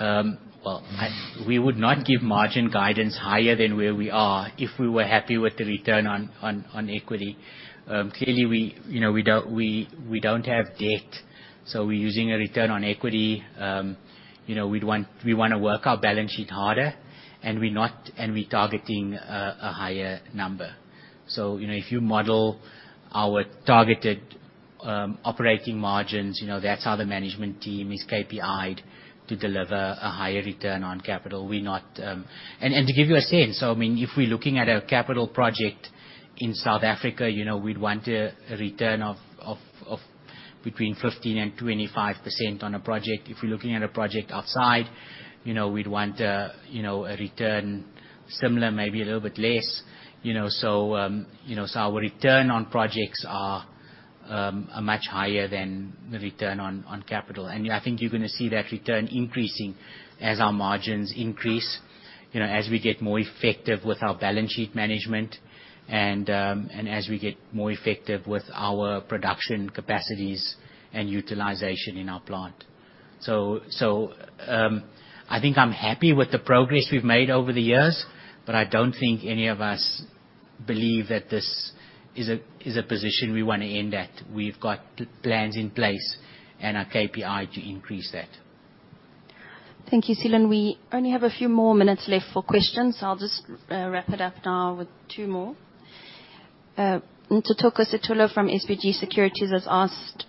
Speaker 1: Well, we would not give margin guidance higher than where we are if we were happy with the return on equity. Clearly, you know, we don't have debt, so we're using a return on equity. You know, we'd want to work our balance sheet harder and we're targeting a higher number. You know, if you model our targeted operating margins, you know, that's how the management team is KPIed to deliver a higher return on capital. We're not. To give you a sense, I mean, if we're looking at a capital project in South Africa, you know, we'd want a return of between 15% and 25% on a project. If we're looking at a project outside, you know, we'd want a return similar, maybe a little bit less, you know. Our return on projects are much higher than the return on capital. I think you're gonna see that return increasing as our margins increase, you know, as we get more effective with our balance sheet management and as we get more effective with our production capacities and utilization in our plant. I think I'm happy with the progress we've made over the years, but I don't think any of us believe that this is a position we wanna end at. We've got plans in place and a KPI to increase that.
Speaker 3: Thank you, Seelan. We only have a few more minutes left for questions. I'll just wrap it up now with two more. Ntuthuko Sithole from SBG Securities has asked,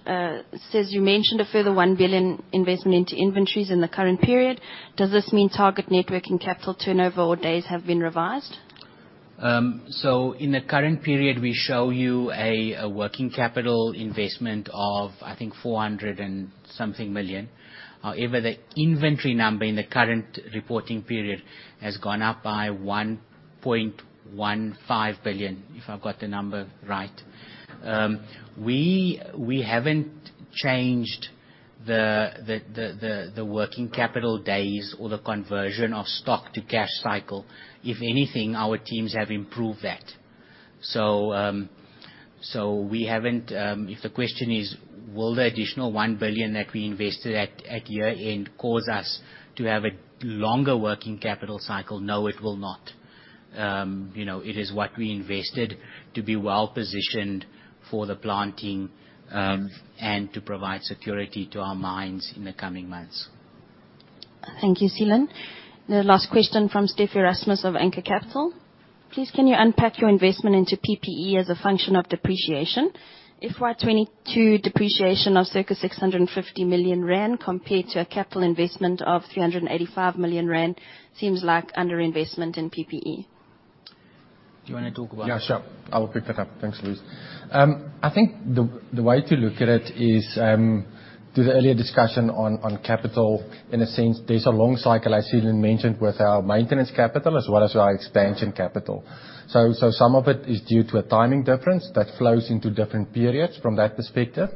Speaker 3: says you mentioned a further 1 billion investment into inventories in the current period. Does this mean target net working capital turnover or days have been revised?
Speaker 1: In the current period, we show you a working capital investment of, I think 400-something million. However, the inventory number in the current reporting period has gone up by 1.15 billion, if I've got the number right. We haven't changed the working capital days or the conversion of stock to cash cycle. If anything, our teams have improved that. If the question is, will the additional 1 billion that we invested at year-end cause us to have a longer working capital cycle? No, it will not. You know, it is what we invested to be well-positioned for the planting and to provide security to our mines in the coming months.
Speaker 3: Thank you, Seelan. The last question from Stephan Erasmus of Anchor Capital. Please can you unpack your investment into PPE as a function of depreciation? FY 2022 depreciation of circa 650 million rand compared to a capital investment of 385 million rand seems like underinvestment in PPE.
Speaker 1: Do you wanna talk about it?
Speaker 2: Yeah, sure. I will pick that up. Thanks, Louise. I think the way to look at it is to the earlier discussion on capital. In a sense, there's a long cycle, as Seelan mentioned, with our maintenance capital as well as our expansion capital. Some of it is due to a timing difference that flows into different periods from that perspective.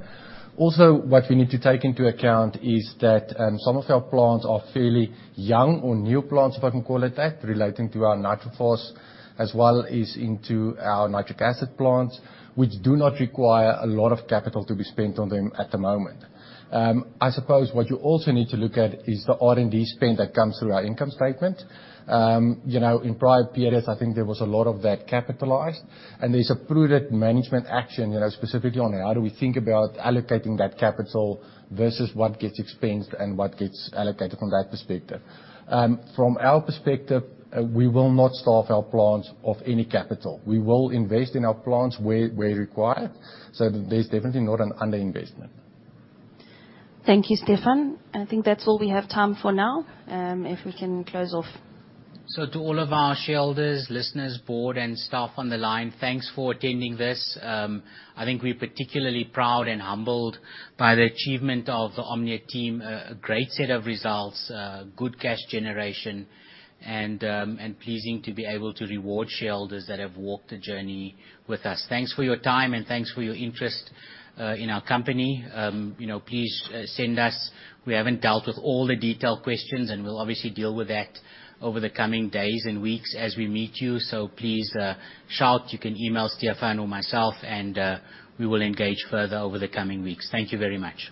Speaker 2: Also, what we need to take into account is that some of our plants are fairly young or new plants, if I can call it that, relating to our NitroPhos as well as into our nitric acid plants, which do not require a lot of capital to be spent on them at the moment. I suppose what you also need to look at is the R&D spend that comes through our income statement. You know, in prior periods, I think there was a lot of that capitalized, and there's a prudent management action, you know, specifically on how do we think about allocating that capital versus what gets expensed and what gets allocated from that perspective. From our perspective, we will not starve our plants of any capital. We will invest in our plants where required, so there's definitely not an underinvestment.
Speaker 3: Thank you, Stephan. I think that's all we have time for now, if we can close off.
Speaker 1: To all of our shareholders, listeners, board and staff on the line, thanks for attending this. I think we're particularly proud and humbled by the achievement of the Omnia team. A great set of results, good cash generation and pleasing to be able to reward shareholders that have walked the journey with us. Thanks for your time and thanks for your interest in our company. You know, please, send us. We haven't dealt with all the detailed questions, and we'll obviously deal with that over the coming days and weeks as we meet you. Please, shout. You can email Stephan or myself, and we will engage further over the coming weeks. Thank you very much.